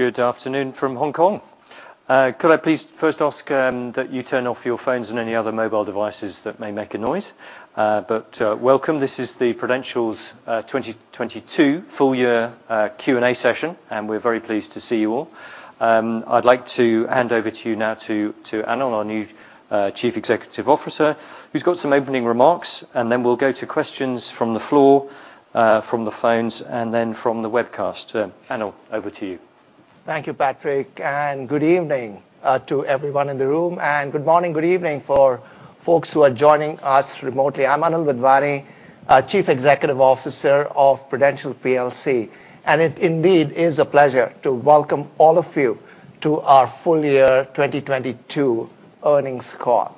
Good afternoon from Hong Kong. Could I please first ask that you turn off your phones and any other mobile devices that may make a noise? Welcome. This is the Prudential's 2022 Full Year Q&A Session. We're very pleased to see you all. I'd like to hand over to you now to Anil, our new Chief Executive Officer, who's got some opening remarks, and then we'll go to questions from the floor, from the phones, and then from the webcast. Anil, over to you. Thank you, Patrick. Good evening to everyone in the room. Good morning, good evening for folks who are joining us remotely. I'm Anil Wadhwani, Chief Executive Officer of Prudential PLC. It indeed is a pleasure to welcome all of you to our full year 2022 earnings call.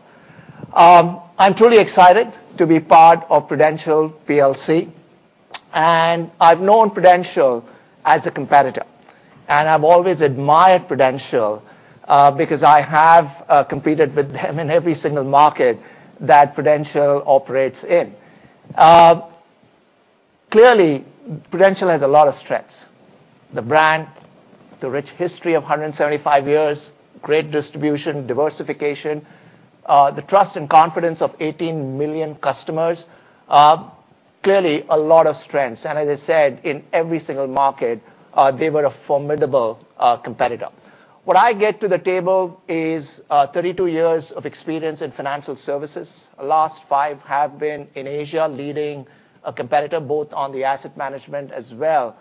I'm truly excited to be part of Prudential PLC. I've known Prudential as a competitor. I've always admired Prudential because I have competed with them in every single market that Prudential operates in. Clearly, Prudential has a lot of strengths, the brand, the rich history of 175 years, great distribution, diversification, the trust and confidence of 18 million customers. Clearly a lot of strengths. As I said, in every single market, they were a formidable competitor. What I get to the table is 32 years of experience in financial services. Last five have been in Asia, leading a competitor both on the asset management as well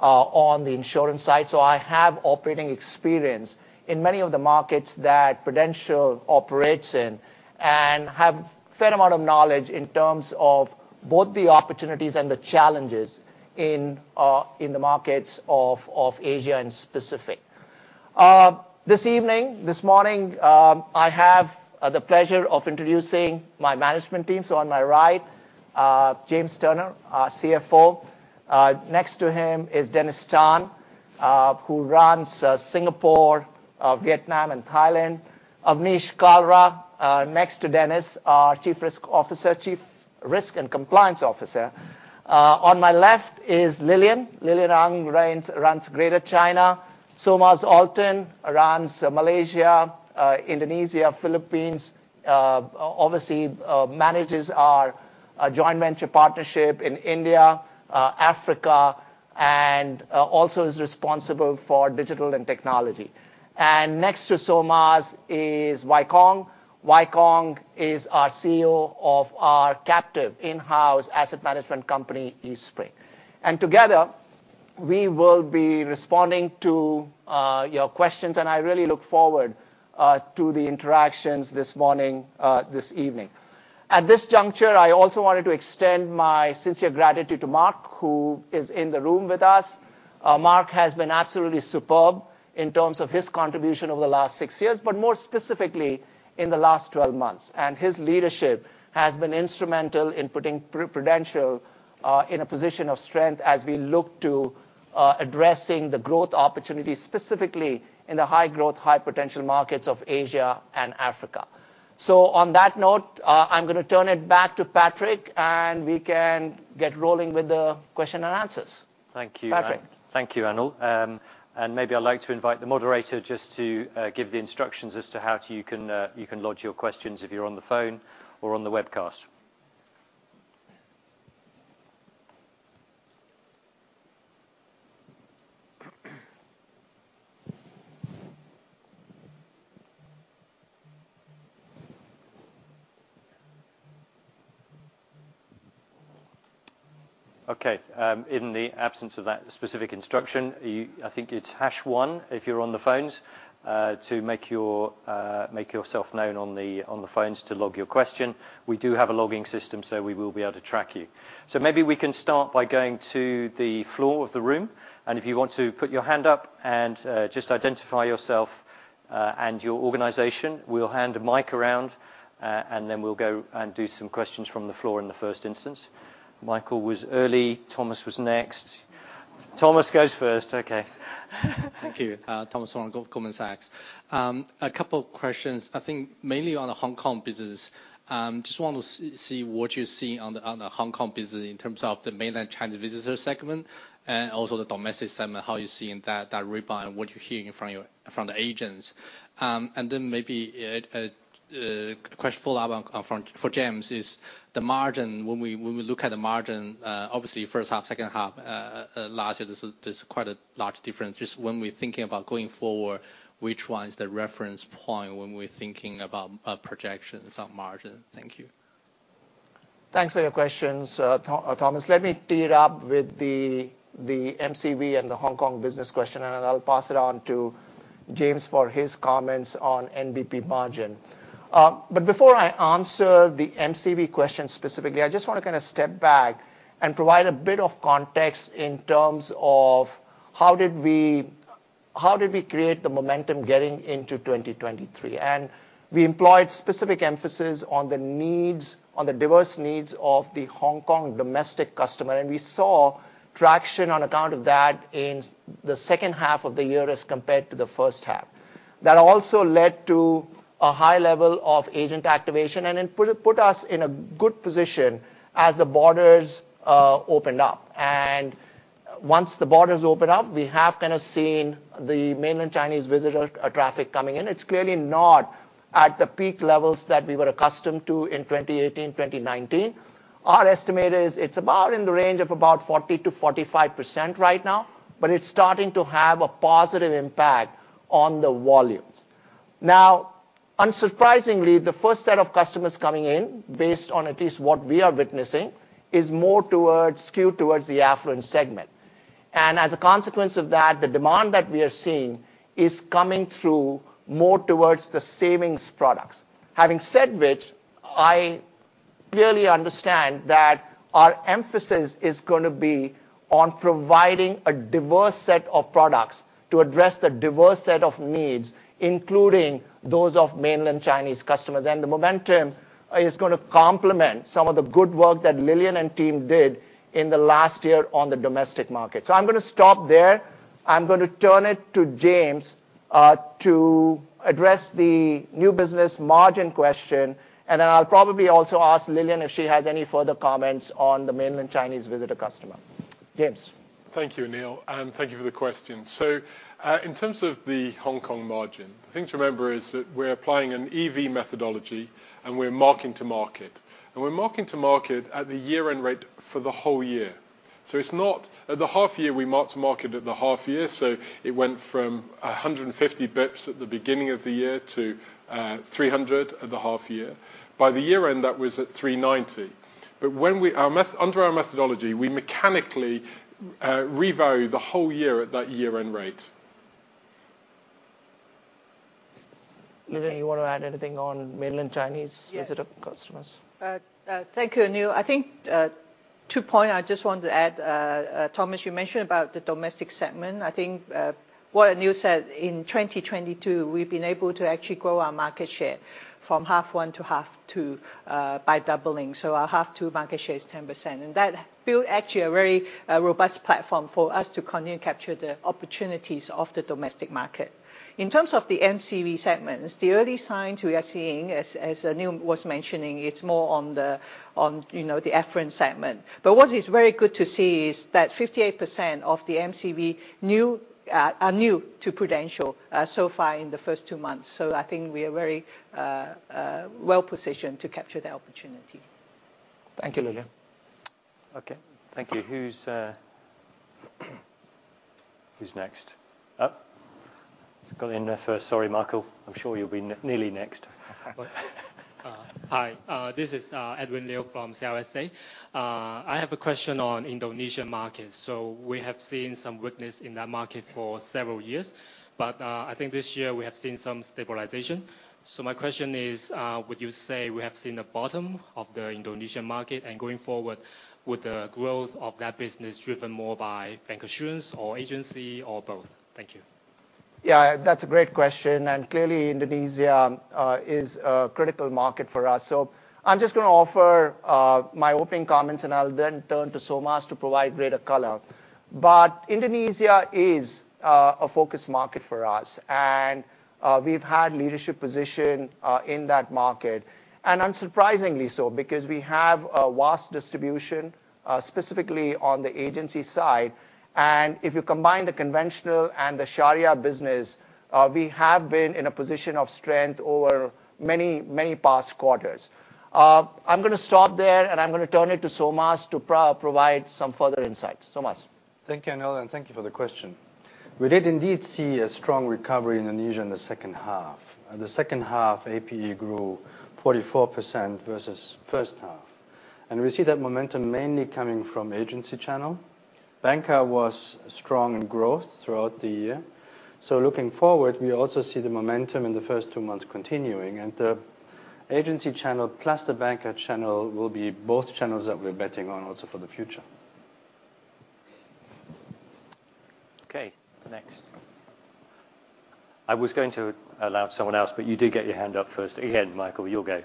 on the insurance side. I have operating experience in many of the markets that Prudential operates in and have fair amount of knowledge in terms of both the opportunities and the challenges in the markets of Asia in specific. This morning, I have the pleasure of introducing my management team. On my right, James Turner, our CFO. Next to him is Dennis Tan, who runs Singapore, Vietnam and Thailand. Avnish Kalra, next to Dennis, our chief risk officer, chief risk and compliance officer. On my left is Lilian. Lilian Ng runs Greater China. Solmaz Altin runs Malaysia, Indonesia, Philippines, obviously, manages our joint venture partnership in India, Africa, and also is responsible for digital and technology. Next to Solmaz is Wei Kong. Wei Kong is our CEO of our captive in-house asset management company, Eastspring. Together, we will be responding to your questions, and I really look forward to the interactions this morning, this evening. At this juncture, I also wanted to extend my sincere gratitude to Mark, who is in the room with us. Mark has been absolutely superb in terms of his contribution over the last six years, but more specifically in the last 12 months. His leadership has been instrumental in putting Prudential in a position of strength as we look to addressing the growth opportunities, specifically in the high growth, high potential markets of Asia and Africa. On that note, I'm gonna turn it back to Patrick, and we can get rolling with the question-and-answers. Thank you.. Patrick Thank you, Anil. Maybe I'd like to invite the moderator just to give the instructions as to how to you can lodge your questions if you're on the phone or on the webcast. Okay, in the absence of that specific instruction, I think it's hash one if you're on the phones to make yourself known on the phones to log your question. We do have a logging system. We will be able to track you. Maybe we can start by going to the floor of the room. If you want to put your hand up and just identify yourself and your organization, we'll hand a mic around, we'll go and do some questions from the floor in the first instance. Michael was early. Solmaz was next. Solmaz goes first. Okay. Thank you. Thomas Wang, Goldman Sachs. A couple questions, I think mainly on the Hong Kong business. Just want to see what you see on the Hong Kong business in terms of the mainland China visitor segment and also the domestic segment, how you see in that rebound, what you're hearing from your from the agents. Maybe a question follow up for James is the margin. When we look at the margin, obviously first half, second half last year, there's quite a large difference. Just when we're thinking about going forward, which one is the reference point when we're thinking about projections on margin? Thank you. Thanks for your questions, Solmaz. Let me tee it up with the MCV and the Hong Kong business question, and then I'll pass it on to James for his comments on NBP margin. Before I answer the MCV question specifically, I just wanna kinda step back and provide a bit of context in terms of how did we create the momentum getting into 2023. We employed specific emphasis on the needs, on the diverse needs of the Hong Kong domestic customer, and we saw traction on account of that in the second half of the year as compared to the first half. That also led to a high level of agent activation, and it put us in a good position as the borders opened up. Once the borders opened up, we have kinda seen the mainland Chinese visitor traffic coming in. It's clearly not at the peak levels that we were accustomed to in 2018, 2019. Our estimate is it's about in the range of about 40%-45% right now. It's starting to have a positive impact on the volumes. Now, unsurprisingly, the first set of customers coming in, based on at least what we are witnessing, is skewed towards the affluent segment. As a consequence of that, the demand that we are seeing is coming through more towards the savings products. Having said which, I clearly understand that our emphasis is gonna be on providing a diverse set of products to address the diverse set of needs, including those of mainland Chinese customers. The momentum is gonna complement some of the good work that Lilian and team did in the last year on the domestic market. I'm gonna stop there. I'm gonna turn it to James to address the new business margin question, then I'll probably also ask Lilian if she has any further comments on the mainland Chinese visitor customer. James? Thank you, Anil. Thank you for the question. In terms of the Hong Kong margin, the thing to remember is that we're applying an EV methodology, and we're marking to market. We're marking to market at the year-end rate for the whole year. At the half year, we marked to market at the half year, so it went from 150 bips at the beginning of the year to 300 at the half year. By the year end, that was at 390. Under our methodology, we mechanically revalue the whole year at that year-end rate. Lilian, you wanna add anything on mainland Chinese visitor customers? Yes Thank you, Anil. I think two point I just want to add. Solmaz, you mentioned about the domestic segment. I think what Anil said, in 2022, we've been able to actually grow our market share from half one to half two by doubling. Our half two market share is 10%. That built actually a very robust platform for us to continue capture the opportunities of the domestic market. In terms of the MCV segments, the early signs we are seeing, as Anil was mentioning, it's more on the, on, you know, the affluent segment. What is very good to see is that 58% of the MCV new are new to Prudential so far in the first two months. I think we are very well-positioned to capture the opportunity. Thank you, Lilian. Okay. Thank you. Who's next? Oh, it's gone in there first. Sorry, Michael. I'm sure you'll be nearly next. Hi. This is Edwin Liu from CLSA. I have a question on Indonesia markets. We have seen some weakness in that market for several years. I think this year we have seen some stabilization. My question is, would you say we have seen the bottom of the Indonesia market? Going forward, would the growth of that business driven more by bank insurance or agency or both? Thank you. Yeah. That's a great question. Clearly, Indonesia is a critical market for us. I'm just gonna offer my opening comments, and I'll then turn to Solmaz to provide greater color. Indonesia is a focus market for us. We've had leadership position in that market. Unsurprisingly so, because we have a vast distribution specifically on the agency side. If you combine the conventional and the Sharia business, we have been in a position of strength over many, many past quarters. I'm gonna stop there, and I'm gonna turn it to Solmaz to provide some further insights. Solmaz. Thank you, Anil, and thank you for the question. We did indeed see a strong recovery in Indonesia in the second half. The second half APE grew 44% versus first half. We see that momentum mainly coming from agency channel. Banker was strong in growth throughout the year. Looking forward, we also see the momentum in the first two months continuing. The agency channel plus the banker channel will be both channels that we're betting on also for the future. Okay. Next. I was going to allow someone else, but you did get your hand up first. Again, Michael, you'll go.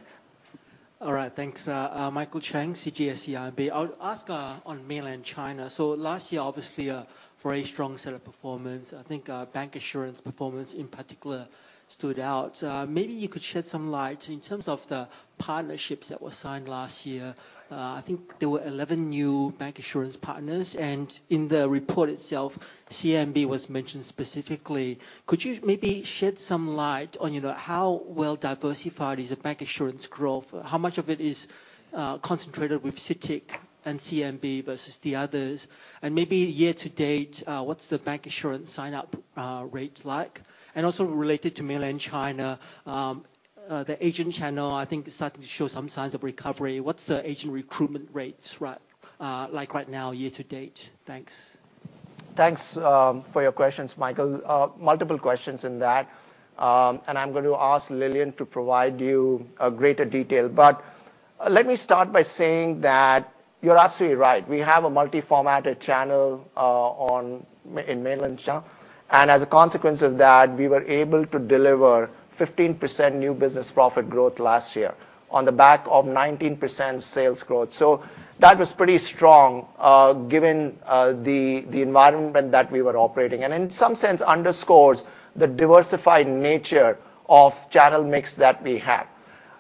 All right. Thanks. Michael Chang, CGS-CIMB. I'll ask on Mainland China. Last year, obviously a very strong set of performance. I think bank insurance performance in particular stood out. Maybe you could shed some light in terms of the partnerships that were signed last year. I think there were 11 new bank insurance partners. In the report itself, CMB was mentioned specifically. Could you maybe shed some light on, you know, how well diversified is the bank insurance growth? How much of it is concentrated with CITIC and CMB versus the others? Maybe year-to-date, what's the bank insurance sign up rate like? Also related to Mainland China, the agent channel I think is starting to show some signs of recovery. What's the agent recruitment rates right, like right now year to date? Thanks. Thanks for your questions, Michael. Multiple questions in that. I'm going to ask Lilian to provide you a greater detail. Let me start by saying that you're absolutely right. We have a multi-formatted channel in Mainland China. As a consequence of that, we were able to deliver 15% new business profit growth last year on the back of 19% sales growth. That was pretty strong, given the environment that we were operating. In some sense underscores the diversified nature of channel mix that we have.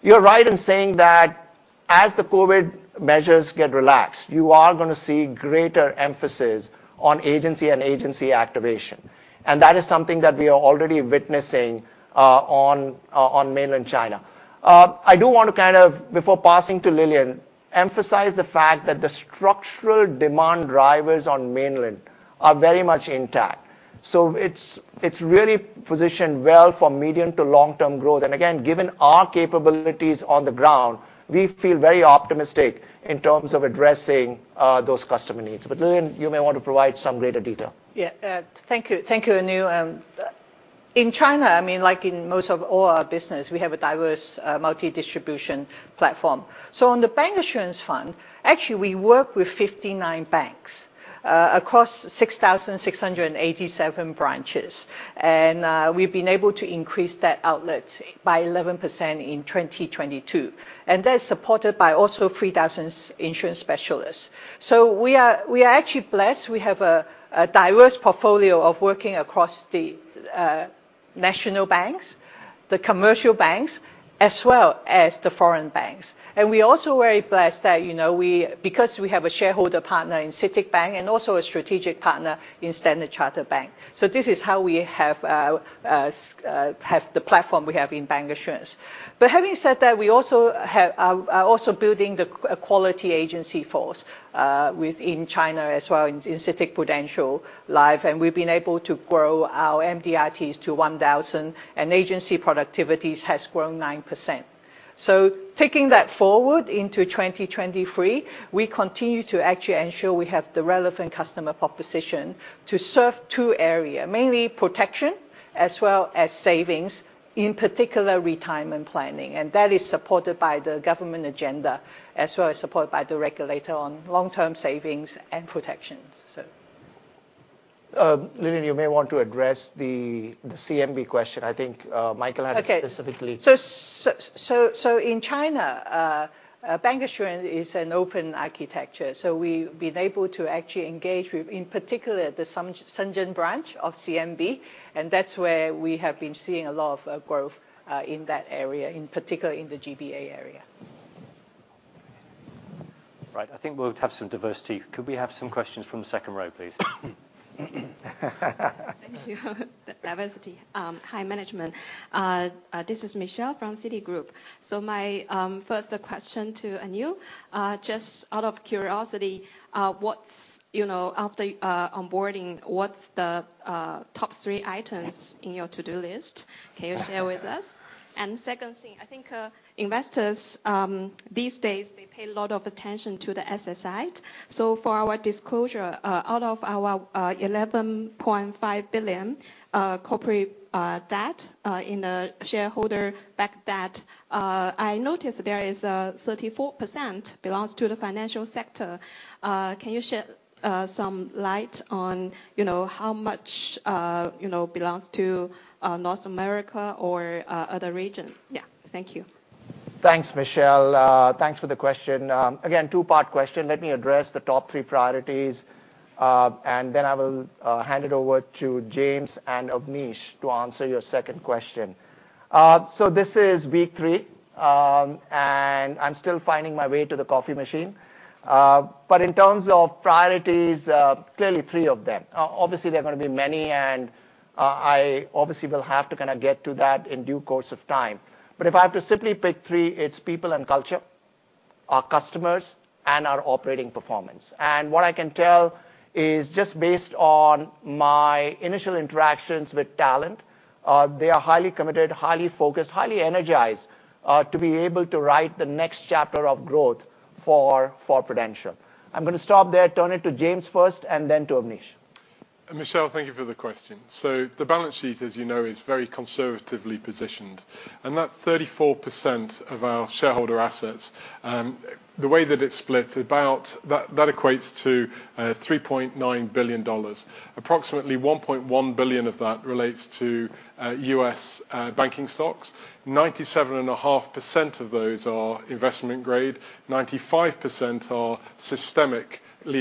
You're right in saying that as the COVID measures get relaxed, you are gonna see greater emphasis on agency and agency activation, and that is something that we are already witnessing on Mainland China. I do want to kind of, before passing to Lilian, emphasize the fact that the structural demand drivers on Mainland are very much intact. It's, it's really positioned well for medium to long-term growth. Again, given our capabilities on the ground, we feel very optimistic in terms of addressing those customer needs. Lilian, you may want to provide some greater detail. Thank you. Thank you, Anil. In China, I mean, like in most of all our business, we have a diverse multi-distribution platform. On the bank insurance front, actually we work with 59 banks across 6,687 branches. We've been able to increase that outlet by 11% in 2022, and that's supported by also 3,000 insurance specialists. We are actually blessed. We have a diverse portfolio of working across the national banks, the commercial banks, as well as the foreign banks. We also very blessed that, you know, because we have a shareholder partner in CITIC Bank and also a strategic partner in Standard Chartered Bank. This is how we have the platform we have in bank insurance. Having said that, we are also building a quality agency force within China as well in CITIC-Prudential Life. We've been able to grow our MDRT to 1,000, and agency productivities has grown 9%. Taking that forward into 2023, we continue to actually ensure we have the relevant customer proposition to serve two area, mainly protection as well as savings, in particular retirement planning. That is supported by the government agenda, as well as supported by the regulator on long-term savings and protections, so. Lilian, you may want to address the CMB question. I think Michael. Okay ...specifically. In China, bank insurance is an open architecture. We've been able to actually engage with, in particular, the Shenzhen branch of CMB, and that's where we have been seeing a lot of growth in that area, in particular in the GBA area. Right. I think we'll have some diversity. Could we have some questions from the second row, please? Thank you. Diversity. Hi, management. This is Michelle from Citigroup. My first question to Anil, just out of curiosity, You know, after onboarding, what's the top three items in your to-do list? Can you share with us? Second thing, I think investors these days they pay a lot of attention to the SSI. For our disclosure, out of our $11.5 billion corporate debt in the shareholder backed debt, I noticed there is 34% belongs to the financial sector. Can you shed some light on, you know, how much, you know, belongs to North America or other region? Yeah. Thank you. Thanks, Michelle. Thanks for the question. Again, two-part question. Let me address the top three priorities, and then I will hand it over to James and Avnish to answer your second question. This is week three, and I'm still finding my way to the coffee machine. In terms of priorities, clearly three of them. Obviously there are going to be many, and I obviously will have to kind of get to that in due course of time. If I have to simply pick three, it's people and culture, our customers, and our operating performance. What I can tell is just based on my initial interactions with talent, they are highly committed, highly focused, highly energized, to be able to write the next chapter of growth for Prudential. I'm gonna stop there, turn it to James first and then to Avnish. Michelle, thank you for the question. The balance sheet, as you know, is very conservatively positioned. That 34% of our shareholder assets, the way that it's split, that equates to $3.9 billion. Approximately $1.1 billion of that relates to U.S. banking stocks. 97.5% of those are investment grade. 95% are systemically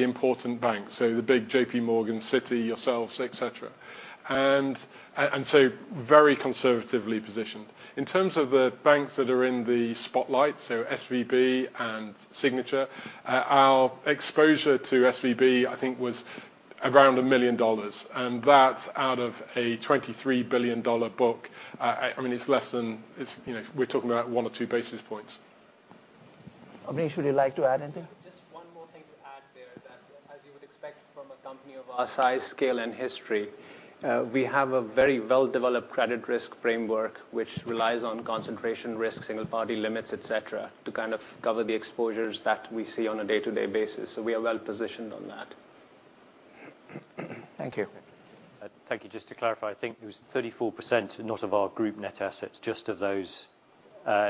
important banks, so the big JPMorgan, Citi, yourselves, et cetera. Very conservatively positioned. In terms of the banks that are in the spotlight, SVB and Signature, our exposure to SVB I think was around $1 million, and that's out of a $23 billion book. I mean, we're talking about 1 or 2 basis points. Avnish, would you like to add anything? Just one more thing to add there that, as you would expect from a company of our size, scale, and history, we have a very well-developed credit risk framework, which relies on concentration risk, single party limits, et cetera, to kind of cover the exposures that we see on a day-to-day basis. We are well positioned on that. Thank you. Thank you. Just to clarify, I think it was 34%, not of our group net assets, just of those,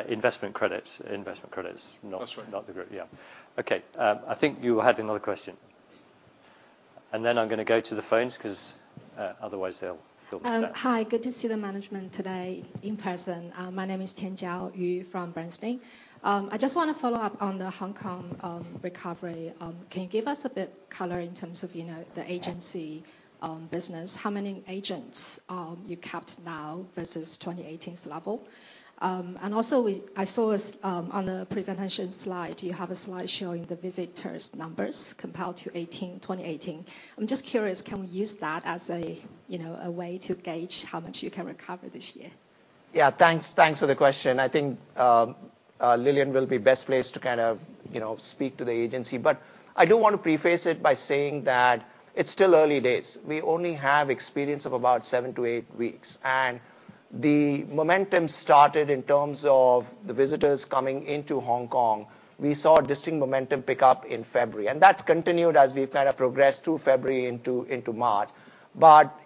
investment credits. That's right. Not the group. Yeah. Okay. I think you had another question. I'm gonna go to the phones 'cause otherwise they'll feel bad. Hi, good to see the management today in person. My name is Tianjiao Yu from Bernstein. I just wanna follow up on the Hong Kong recovery. Can you give us a bit color in terms of, you know, the agency business? How many agents you capped now versus 2018's level? I saw this on a presentation slide, you have a slide showing the visitors numbers compared to 2018. I'm just curious, can we use that as a, you know, a way to gauge how much you can recover this year? Yeah, thanks for the question. I think Lilian will be best placed to kind of, you know, speak to the agency. I do wanna preface it by saying that it's still early days. We only have experience of about seven to eight weeks. The momentum started in terms of the visitors coming into Hong Kong. We saw distinct momentum pick up in February. That's continued as we've kinda progressed through February into March.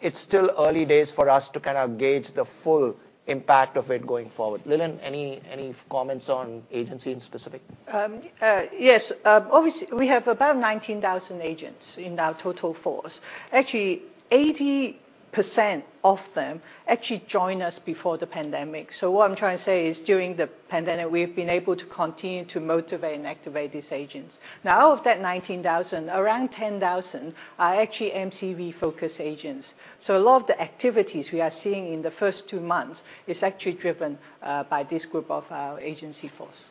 It's still early days for us to kind of gauge the full impact of it going forward. Lilian, any comments on agency in specific? Yes. Obviously, we have about 19,000 agents in our total force. Actually, 80% of them actually joined us before the pandemic. What I'm trying to say is during the pandemic, we've been able to continue to motivate and activate these agents. Of that 19,000, around 10,000 are actually MCV-focused agents. A lot of the activities we are seeing in the first two months is actually driven by this group of our agency force.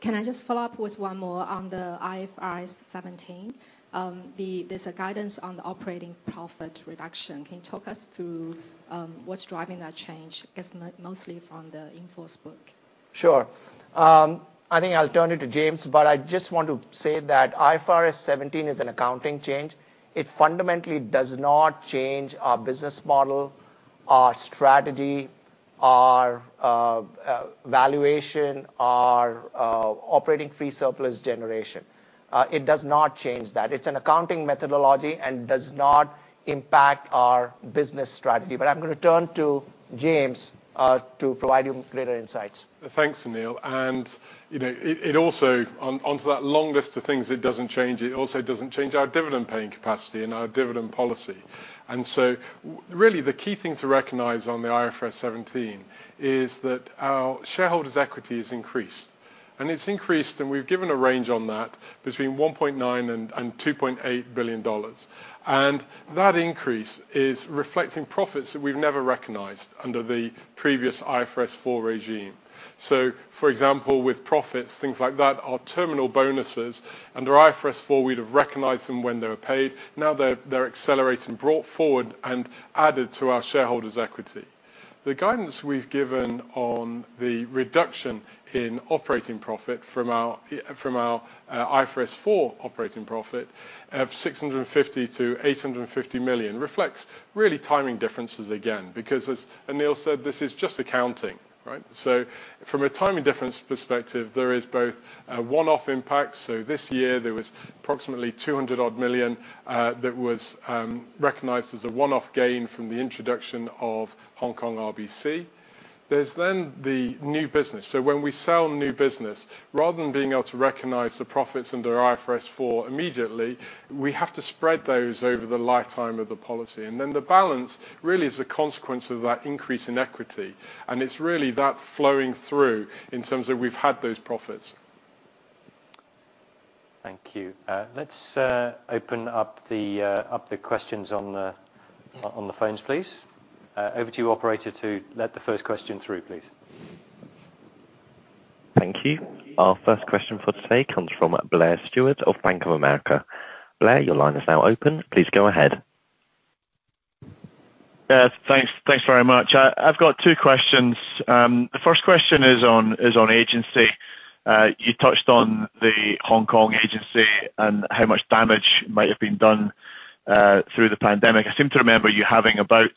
Can I just follow up with one more on the IFRS 17? There's a guidance on the operating profit reduction. Can you talk us through, what's driving that change, I guess mostly from the in-force book? Sure. I think I'll turn it to James, I just want to say that IFRS 17 is an accounting change. It fundamentally does not change our business model, our strategy, our valuation, our operating free surplus generation. It does not change that. It's an accounting methodology and does not impact our business strategy. I'm gonna turn to James to provide you greater insights. Thanks, Anil. You know, it also on to that long list of things it doesn't change, it also doesn't change our dividend paying capacity and our dividend policy. Really the key thing to recognize on the IFRS 17 is that our shareholders' equity is increased. It's increased, and we've given a range on that between $1.9 billion and $2.8 billion. That increase is reflecting profits that we've never recognized under the previous IFRS 4 regime. For example, with profits, things like that, our terminal bonuses, under IFRS 4 we'd have recognized them when they were paid. Now they're accelerating, brought forward and added to our shareholders' equity. The guidance we've given on the reduction in operating profit from our IFRS 4 operating profit of $650 million-$850 million reflects really timing differences again. As Anil said, this is just accounting, right? From a timing difference perspective, there is both a one-off impact. This year there was approximately $200 million that was recognized as a one-off gain from the introduction of Hong Kong RBC. There's then the new business. When we sell new business, rather than being able to recognize the profits under IFRS 4 immediately, we have to spread those over the lifetime of the policy. The balance really is a consequence of that increase in equity, and it's really that flowing through in terms of we've had those profits. Thank you. let's open up the questions on the phones please. over to you operator to let the first question through, please. Thank you. Our first question for today comes from Blair Stewart of Bank of America. Blair, your line is now open. Please go ahead. Thanks. Thanks very much. I've got two questions. The first question is on agency. You touched on the Hong Kong agency and how much damage might have been done through the pandemic. I seem to remember you having about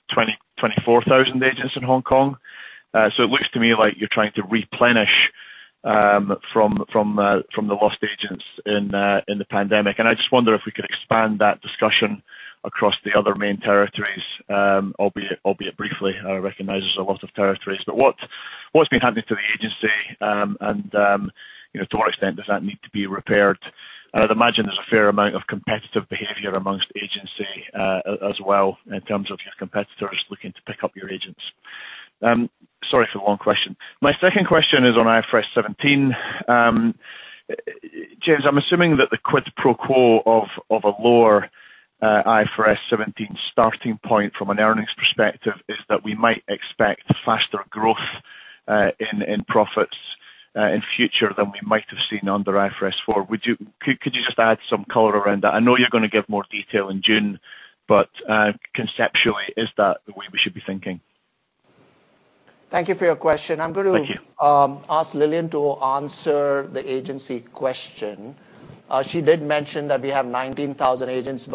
20,000-24,000 agents in Hong Kong. So it looks to me like you're trying to replenish from the lost agents in the pandemic. And I just wonder if we could expand that discussion across the other main territories, albeit briefly. I recognize there's a lot of territories. But what's been happening to the agency? And, you know, to what extent does that need to be repaired? I'd imagine there's a fair amount of competitive behavior amongst agency as well in terms of your competitors looking to pick up your agents. Sorry for the long question. My second question is on IFRS 17. James, I'm assuming that the quid pro quo of a lower IFRS 17 starting point from an earnings perspective is that we might expect faster growth in profits in future than we might have seen under IFRS 4. Could you just add some color around that? I know you're gonna give more detail in June, but conceptually, is that the way we should be thinking? Thank you for your question. Thank you. I'm going to ask Lilian to answer the agency question. She did mention that we have 19,000 agents.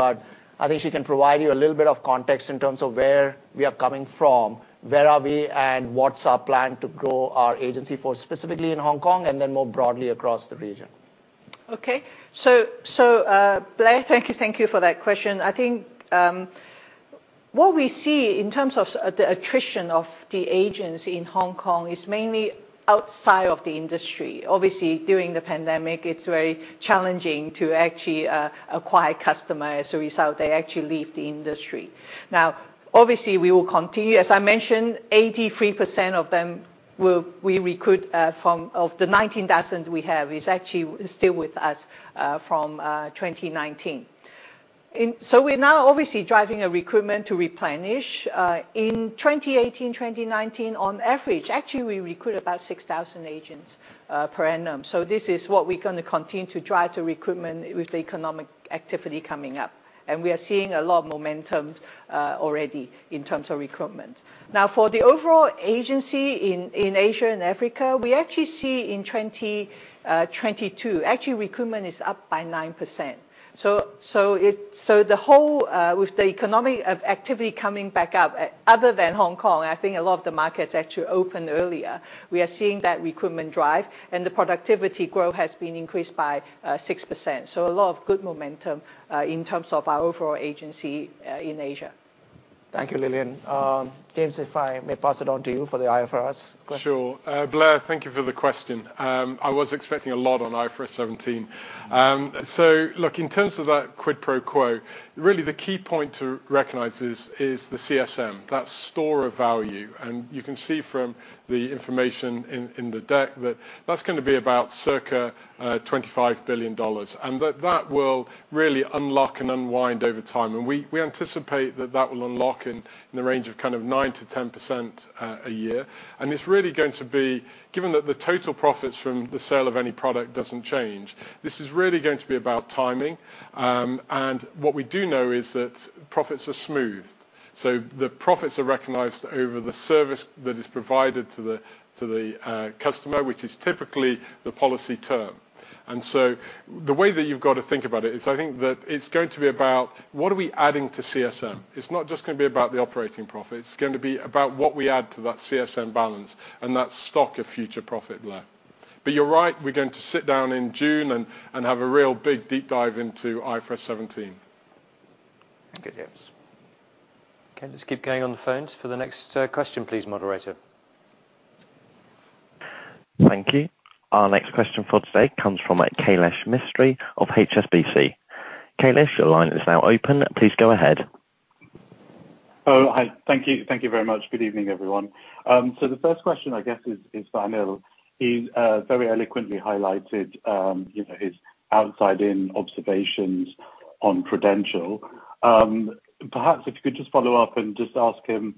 I think she can provide you a little bit of context in terms of where we are coming from, where are we, and what's our plan to grow our agency for specifically in Hong Kong and then more broadly across the region. Okay. Blair, thank you for that question. I think what we see in terms of the attrition of the agents in Hong Kong is mainly outside of the industry. Obviously, during the pandemic, it's very challenging to actually acquire customers. We saw they actually leave the industry. Now, obviously, we will continue. As I mentioned, 83% of them we recruit from... Of the 19,000 we have, is actually still with us from 2019. We're now obviously driving a recruitment to replenish. In 2018, 2019 on average, actually we recruit about 6,000 agents per annum. This is what we're gonna continue to drive to recruitment with the economic activity coming up. And we are seeing a lot of momentum already in terms of recruitment. Now, for the overall agency in Asia and Africa, we actually see in 2022, actually recruitment is up by 9%. The whole with the economic of activity coming back up other than Hong Kong, and I think a lot of the markets actually opened earlier, we are seeing that recruitment drive. The productivity growth has been increased by 6%. A lot of good momentum in terms of our overall agency in Asia. Thank you, Lilian. James, if I may pass it on to you for the IFRS question. Sure. Blair, thank you for the question. I was expecting a lot on IFRS 17. Look, in terms of that quid pro quo, really the key point to recognize is the CSM, that store of value. You can see from the information in the deck that that's gonna be about circa $25 billion. That will really unlock and unwind over time. We anticipate that that will unlock in the range of kind of 9%-10% a year. Given that the total profits from the sale of any product doesn't change, this is really going to be about timing. What we do know is that profits are smooth. The profits are recognized over the service that is provided to the customer, which is typically the policy term. The way that you've got to think about it is I think that it's going to be about what are we adding to CSM. It's not just going to be about the operating profit, it's going to be about what we add to that CSM balance and that stock of future profit layer. You're right, we're going to sit down in June and have a real big deep dive into IFRS 17. Good. Yes. Okay. Let's keep going on the phones for the next question please, moderator. Thank you. Our next question for today comes from Kailesh Mistry of HSBC. Kailesh, your line is now open. Please go ahead. Oh, hi. Thank you. Thank you very much. Good evening, everyone. The first question I guess is for Anil. He's very eloquently highlighted, you know, his outside in observations on Prudential. Perhaps if you could just follow up and just ask him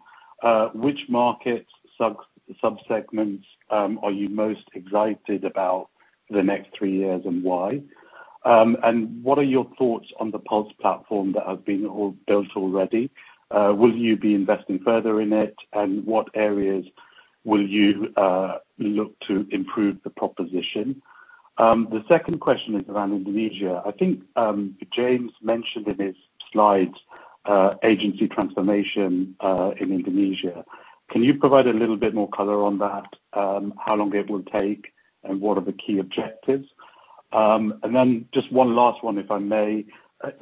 which markets, sub-subsegments, are you most excited about the next three years and why? What are your thoughts on the Pulse platform that have been all built already? Will you be investing further in it, what areas will you look to improve the proposition? The second question is around Indonesia. I think James mentioned in his slides agency transformation in Indonesia. Can you provide a little bit more color on that, how long it would take, what are the key objectives? Just one last one, if I may.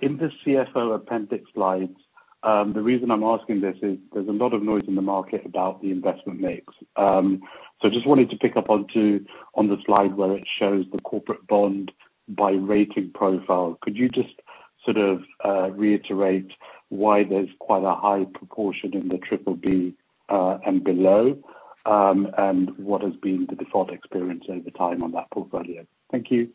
In the CFO appendix slides, the reason I'm asking this is there's a lot of noise in the market about the investment mix. Just wanted to pick up on the slide where it shows the corporate bond by rating profile. Could you just sort of reiterate why there's quite a high proportion in the triple B and below, and what has been the default experience over time on that portfolio? Thank you.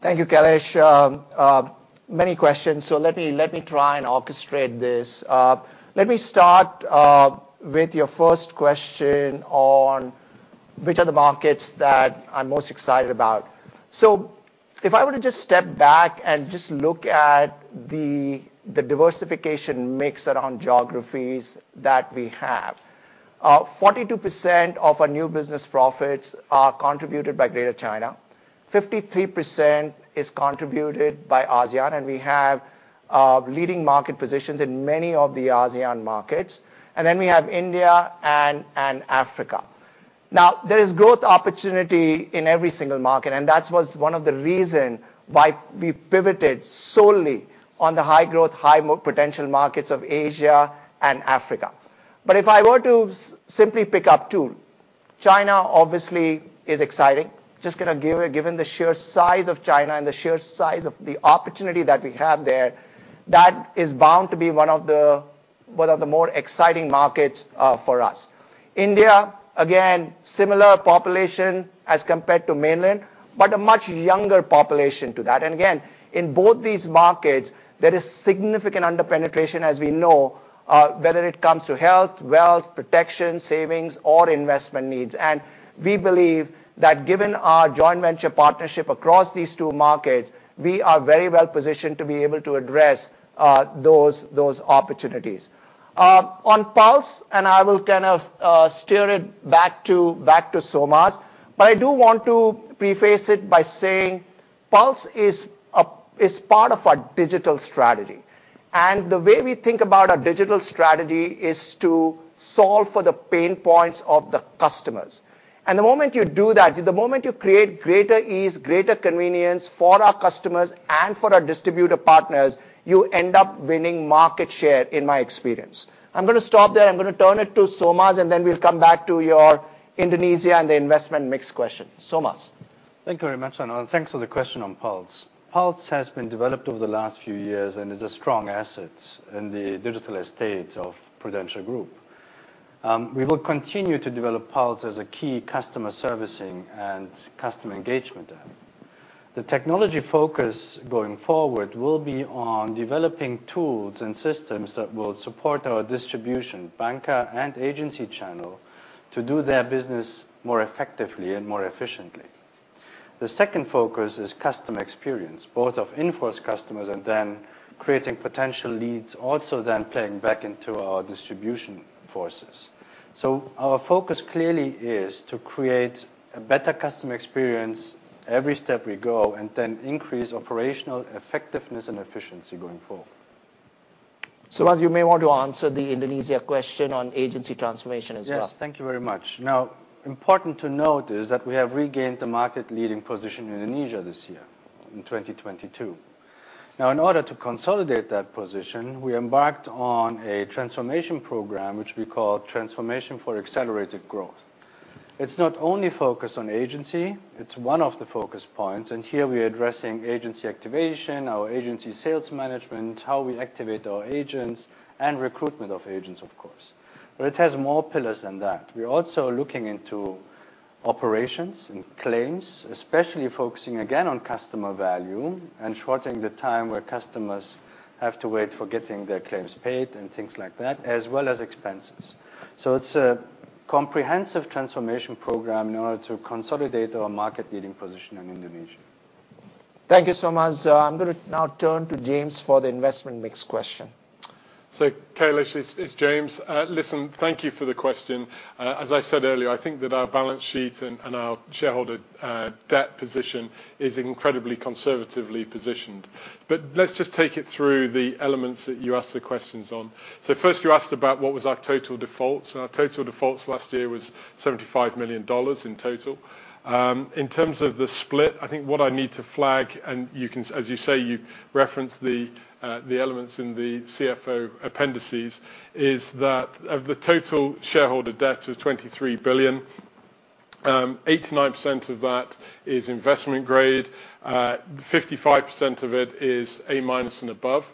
Thank you, Kailesh. Many questions, let me try and orchestrate this. Let me start with your first question on which are the markets that I'm most excited about. If I were to just step back and just look at the diversification mix around geographies that we have, 42% of our new business profits are contributed by Greater China, 53% is contributed by ASEAN, and we have leading market positions in many of the ASEAN markets. Then we have India and Africa. There is growth opportunity in every single market, and that was one of the reason why we pivoted solely on the high growth, high potential markets of Asia and Africa. If I were to simply pick up two, China obviously is exciting. Just gonna give a... Given the sheer size of China and the sheer size of the opportunity that we have there, that is bound to be one of the more exciting markets for us. India, again, similar population as compared to Mainland, but a much younger population to that. Again, in both these markets, there is significant under-penetration as we know, whether it comes to health, wealth, protection, savings or investment needs. We believe that given our joint venture partnership across these two markets, we are very well positioned to be able to address those opportunities. On Pulse, I will kind of steer it back to Solmaz, but I do want to preface it by saying Pulse is part of our digital strategy. The way we think about our digital strategy is to solve for the pain points of the customers. The moment you do that, the moment you create greater ease, greater convenience for our customers and for our distributor partners, you end up winning market share in my experience. I'm gonna stop there. I'm gonna turn it to Solmaz, and then we'll come back to your Indonesia and the investment mix question. Solmaz? Thank you very much, Anil. Thanks for the question on Pulse. Pulse has been developed over the last few years and is a strong asset in the digital estate of Prudential Group. We will continue to develop Pulse as a key customer servicing and customer engagement app. The technology focus going forward will be on developing tools and systems that will support our distribution banker and agency channel to do their business more effectively and more efficiently. The second focus is customer experience, both of in-force customers and then creating potential leads also then playing back into our distribution forces. Our focus clearly is to create a better customer experience every step we go and then increase operational effectiveness and efficiency going forward. Solmaz, you may want to answer the Indonesia question on agency transformation as well. Yes. Thank you very much. Now, important to note is that we have regained the market-leading position in Indonesia this year in 2022. Now, in order to consolidate that position, we embarked on a transformation program which we call Transformation for Accelerated Growth. It's not only focused on agency, it's one of the focus points, and here we are addressing agency activation, our agency sales management, how we activate our agents, and recruitment of agents, of course. It has more pillars than that. We're also looking into operations and claims, especially focusing again on customer value and shortening the time where customers have to wait for getting their claims paid and things like that, as well as expenses. It's a comprehensive transformation program in order to consolidate our market-leading position in Indonesia. Thank you, Solmaz. I'm gonna now turn to James for the investment mix question. Kailesh, it's James. Listen, thank you for the question. As I said earlier, I think that our balance sheet and our shareholder debt position is incredibly conservatively positioned. Let's just take it through the elements that you asked the questions on. First you asked about what was our total defaults, and our total defaults last year was $75 million in total. In terms of the split, I think what I need to flag, and you can as you say, you referenced the elements in the CFO appendices, is that of the total shareholder debt of $23 billion, 89% of that is investment grade. 55% of it is A-minus and above.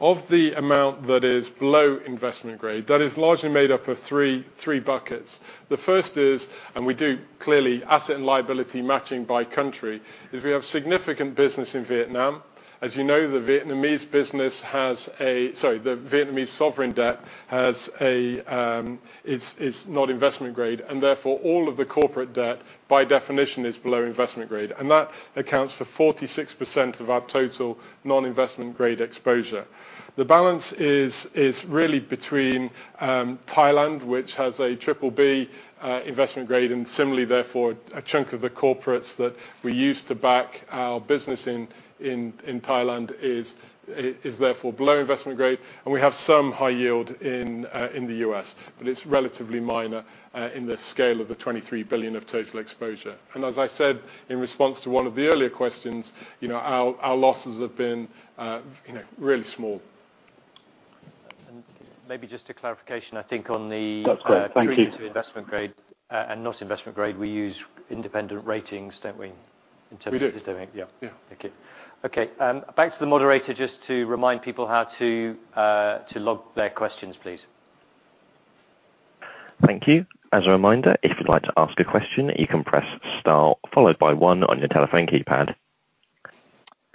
Of the amount that is below investment grade, that is largely made up of 3 buckets. The first is, we do clearly asset and liability matching by country, is we have significant business in Vietnam. As you know, the Vietnamese business has a Sorry. The Vietnamese sovereign debt has a, it's not investment grade, and therefore, all of the corporate debt by definition is below investment grade. That accounts for 46% of our total non-investment grade exposure. The balance is really between Thailand, which has a BBB investment grade, and similarly therefore a chunk of the corporates that we use to back our business in Thailand is therefore below investment grade. We have some high yield in the U.S., but it's relatively minor in the scale of the $23 billion of total exposure. As I said in response to one of the earlier questions, you know, our losses have been, you know, really small. Maybe just a clarification, I think on treatment to investment grade, and not investment grade, we use independent ratings, don't we? In terms of determining. We do. Yeah. Yeah. Thank you. Okay, back to the moderator just to remind people how to log their questions, please. Thank you. As a reminder, if you'd like to ask a question, you can press star followed by one on your telephone keypad.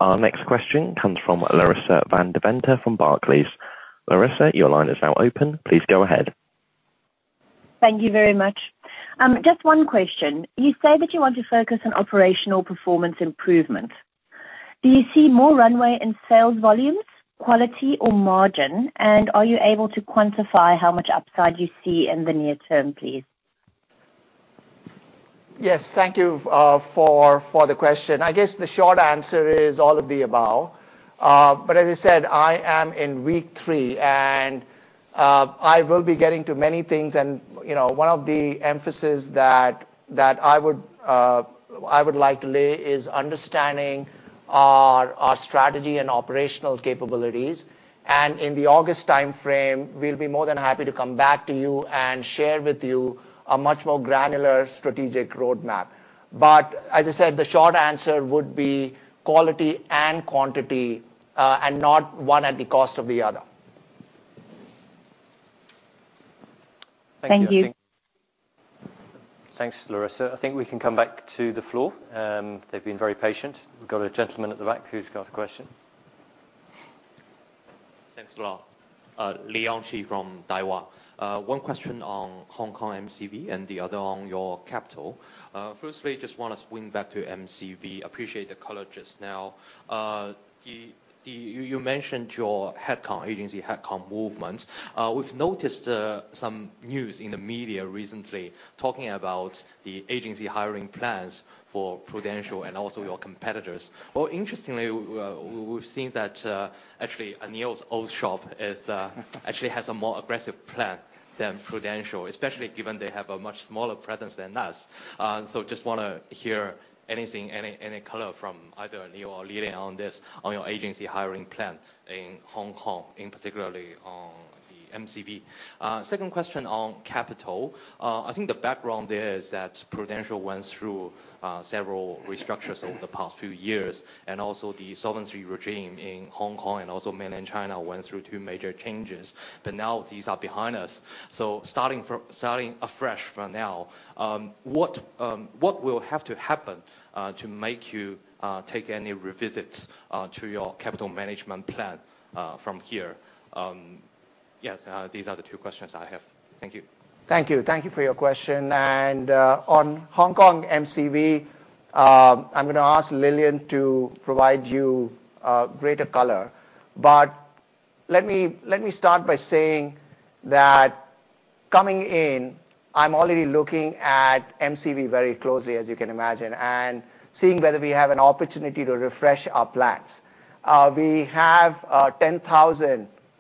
Our next question comes from Larissa van Deventer from Barclays. Larissa, your line is now open. Please go ahead. Thank you very much. Just one question. You say that you want to focus on operational performance improvement. Do you see more runway in sales volumes, quality or margin? Are you able to quantify how much upside you see in the near term, please? Yes. Thank you for the question. I guess the short answer is all of the above. As I said, I am in week three and I will be getting to many things and, you know, one of the emphasis that I would like to lay is understanding our strategy and operational capabilities. In the August timeframe, we'll be more than happy to come back to you and share with you a much more granular strategic roadmap. As I said, the short answer would be quality and quantity, and not one at the cost of the other. Thank you. Thanks, Larissa. I think we can come back to the floor. They've been very patient. We've got a gentleman at the back who's got a question. Thanks a lot. Leon Qi from Daiwa. One question on Hong Kong MCV and the other on your capital. Firstly, just wanna swing back to MCV. Appreciate the color just now. You mentioned your head count, agency head count movements. We've noticed some news in the media recently talking about the agency hiring plans for Prudential and also your competitors. Well, interestingly, we've seen that actually Anil's old shop is actually has a more aggressive plan than Prudential. Especially given they have a much smaller presence than us. Just wanna hear anything, any color from either Anil or Lilian on this, on your agency hiring plan in Hong Kong, in particularly on The MCV. Second question on capital. I think the background there is that Prudential went through several restructures over the past few years, and also the solvency regime in Hong Kong and also mainland China went through two major changes. Now these are behind us. Starting afresh for now, what will have to happen to make you take any revisits to your capital management plan from here? Yes, these are the two questions I have. Thank you. Thank you. Thank you for your question. On Hong Kong MCV, I'm gonna ask Lilian to provide you greater color. Let me start by saying that coming in, I'm already looking at MCV very closely, as you can imagine, and seeing whether we have an opportunity to refresh our plans. We have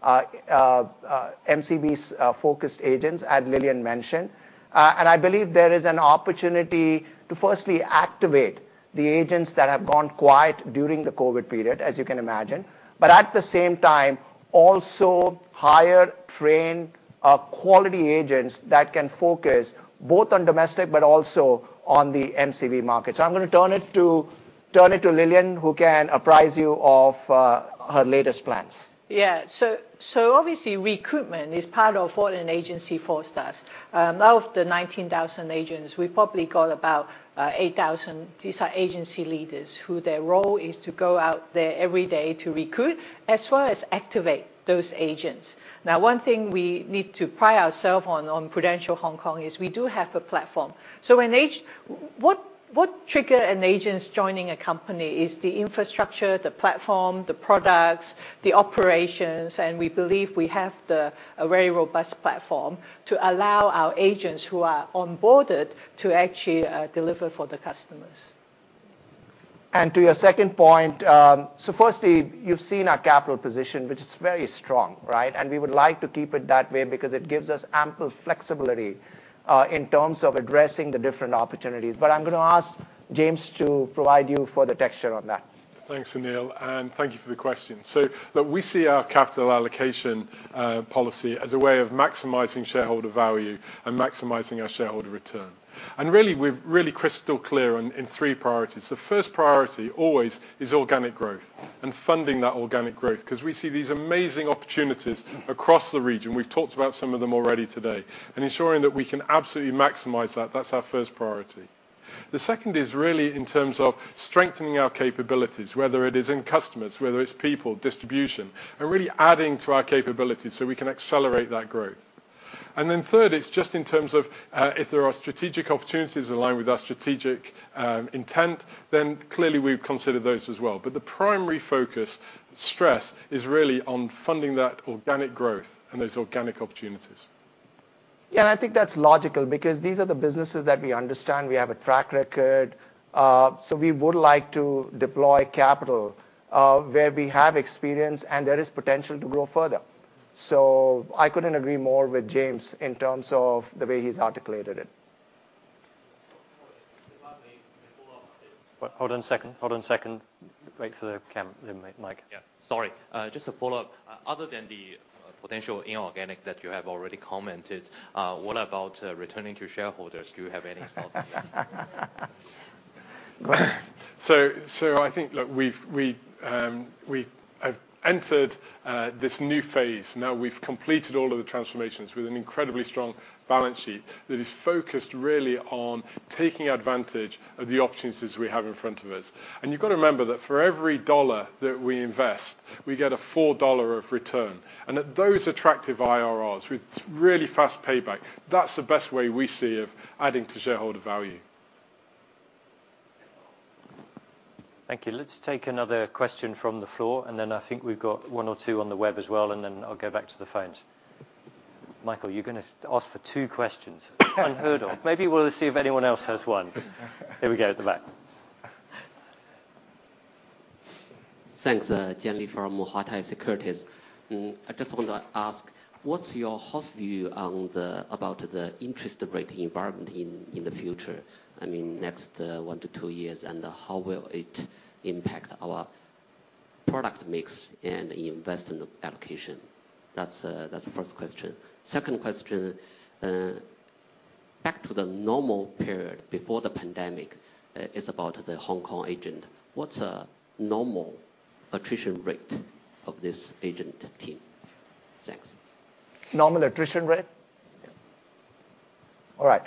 10,000 MCV focused agents, as Lilian mentioned. I believe there is an opportunity to firstly activate the agents that have gone quiet during the COVID period, as you can imagine. At the same time, also hire trained quality agents that can focus both on domestic but also on the MCV market. I'm gonna turn it to Lilian, who can apprise you of her latest plans. Obviously recruitment is part of what an agency force does. Out of the 19,000 agents, we probably got about 8,000. These are agency leaders who their role is to go out there every day to recruit, as well as activate those agents. One thing we need to pride ourself on Prudential Hong Kong is we do have a platform. What trigger an agents joining a company is the infrastructure, the platform, the products, the operations, and we believe we have a very robust platform to allow our agents who are onboarded to actually deliver for the customers. To your second point, firstly, you've seen our capital position, which is very strong, right? We would like to keep it that way because it gives us ample flexibility in terms of addressing the different opportunities. I'm gonna ask James to provide you further texture on that. Thanks, Anil, thank you for the question. Look, we see our capital allocation policy as a way of maximizing shareholder value and maximizing our shareholder return. We're really crystal clear in three priorities. The first priority always is organic growth and funding that organic growth, cause we see these amazing opportunities across the region. We've talked about some of them already today. Ensuring that we can absolutely maximize that's our first priority. The second is really in terms of strengthening our capabilities, whether it is in customers, whether it's people, distribution, and really adding to our capabilities so we can accelerate that growth. Third, it's just in terms of if there are strategic opportunities aligned with our strategic intent, then clearly we'd consider those as well. The primary focus, stress, is really on funding that organic growth and those organic opportunities. I think that's logical because these are the businesses that we understand. We have a track record. We would like to deploy capital, where we have experience and there is potential to grow further. I couldn't agree more with James in terms of the way he's articulated it. Hold on a second. Wait for the mic. Yeah, sorry. just to follow up. other than the potential inorganic that you have already commented, what about returning to shareholders? Do you have any thought on that? I think, look, we've entered this new phase. Now, we've completed all of the transformations with an incredibly strong balance sheet that is focused really on taking advantage of the opportunities we have in front of us. You've got to remember that for every dollar that we invest, we get a full dollar of return. At those attractive IRRs with really fast payback, that's the best way we see of adding to shareholder value. Thank you. Let's take another question from the floor, and then I think we've got one or two on the web as well, and then I'll go back to the phones. Michael, you're gonna ask for two questions. Unheard of. Maybe we'll just see if anyone else has one. Here we go at the back. Thanks. Jenny from [Securities]. I just want to ask, what's your house view on the, about the interest rate environment in the future? I mean, next, one to two years, how will it impact our product mix and investment allocation? That's the first question. Second question, back to the normal period before the pandemic, it's about the Hong Kong agent. What's a normal attrition rate of this agent team? Thanks. Normal attrition rate? Yeah. All right.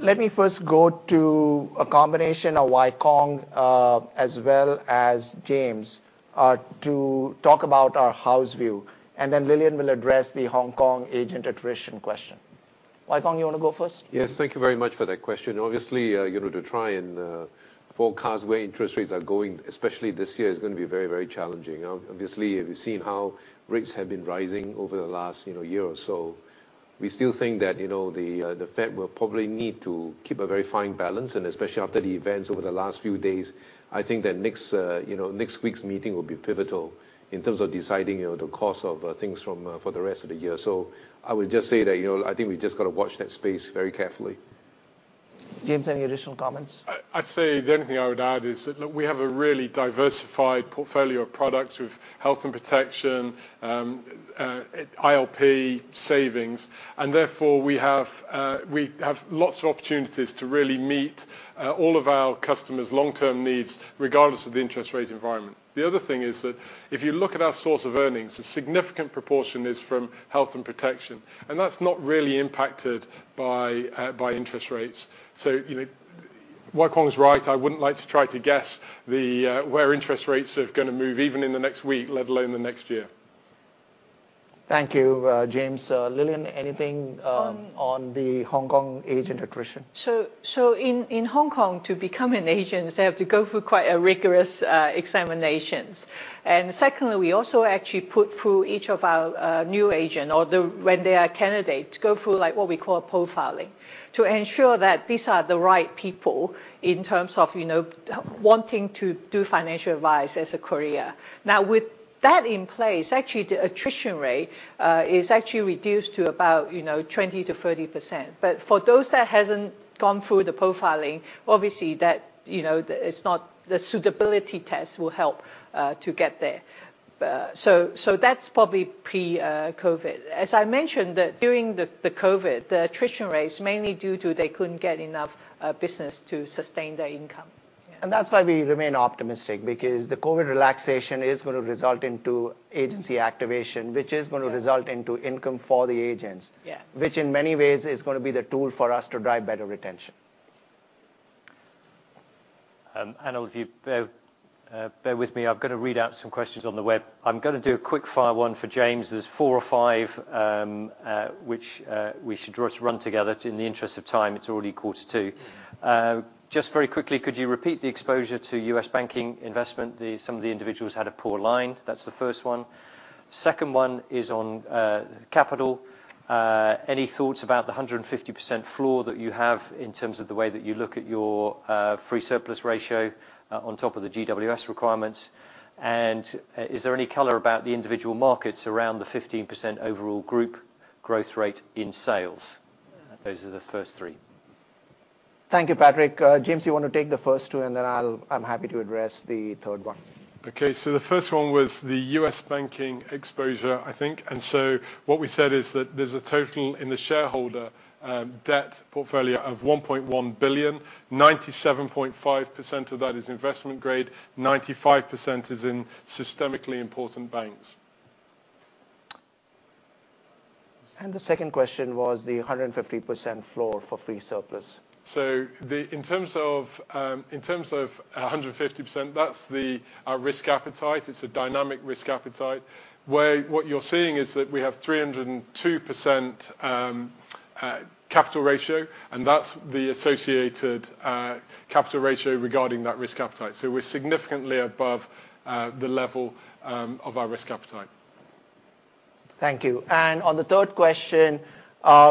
let me first go to a combination of Wai-Kwong, as well as James, to talk about our house view. Then Lilian will address the Hong Kong agent attrition question. Wai-Kwong, you wanna go first? Yes. Thank you very much for that question. Obviously, you know, to try and forecast where interest rates are going, especially this year, is gonna be very, very challenging. Obviously, we've seen how rates have been rising over the last, you know, year or so. We still think that, you know, the Fed will probably need to keep a very fine balance, and especially after the events over the last few days, I think that next, you know, next week's meeting will be pivotal in terms of deciding, you know, the course of things from for the rest of the year. I would just say that, you know, I think we've just got to watch that space very carefully. James, any additional comments? I'd say the only thing I would add is that, look, we have a really diversified portfolio of products with Health and Protection, ILP savings. Therefore, we have lots of opportunities to really meet all of our customers' long-term needs regardless of the interest rate environment. The other thing is that if you look at our source of earnings, a significant proportion is from Health and Protection, and that's not really impacted by interest rates. You know, Wai-Kwong is right, I wouldn't like to try to guess the where interest rates are gonna move even in the next week, let alone the next year. Thank you, James. Lilian, anything on the Hong Kong agent attrition? In Hong Kong, to become an agent, they have to go through quite a rigorous examinations. Secondly, we also actually put through each of our new agent or the, when they are candidates, go through like what we call profiling to ensure that these are the right people in terms of, you know, wanting to do financial advice as a career. With that in place, actually, the attrition rate is actually reduced to about, you know, 20%-30%. For those that hasn't gone through the profiling, obviously, that, you know, The suitability test will help to get there. That's probably pre-COVID. As I mentioned, during the COVID, the attrition rates mainly due to they couldn't get enough business to sustain their income. Yeah. That's why we remain optimistic because the COVID relaxation is gonna result into agency activation. Yeah... result into income for the agents- Yeah which in many ways is gonna be the tool for us to drive better retention. Anil, if you bear with me, I'm gonna read out some questions on the web. I'm gonna do a quick-fire one for James. There's four or five, which we should run together in the interest of time. It's already quarter to. Just very quickly, could you repeat the exposure to U.S. banking investment? Some of the individuals had a poor line. That's the first one. Second one is on capital. Any thoughts about the 150% floor that you have in terms of the way that you look at your free surplus ratio on top of the GWS requirements? Is there any color about the individual markets around the 15% overall group growth rate in sales? Those are the first three. Thank you, Patrick. James, you wanna take the first two, and then I'll, I'm happy to address the third one. Okay. The first one was the U.S. banking exposure, I think. What we said is that there's a total in the shareholder, debt portfolio of $1.1 billion. 97.5% of that is investment grade. 95% is in systemically important banks. The second question was the 150% floor for free surplus. In terms of 150%, that's our risk appetite. It's a dynamic risk appetite, where what you're seeing is that we have 302% capital ratio, and that's the associated capital ratio regarding that risk appetite. We're significantly above the level of our risk appetite. Thank you. On the third question,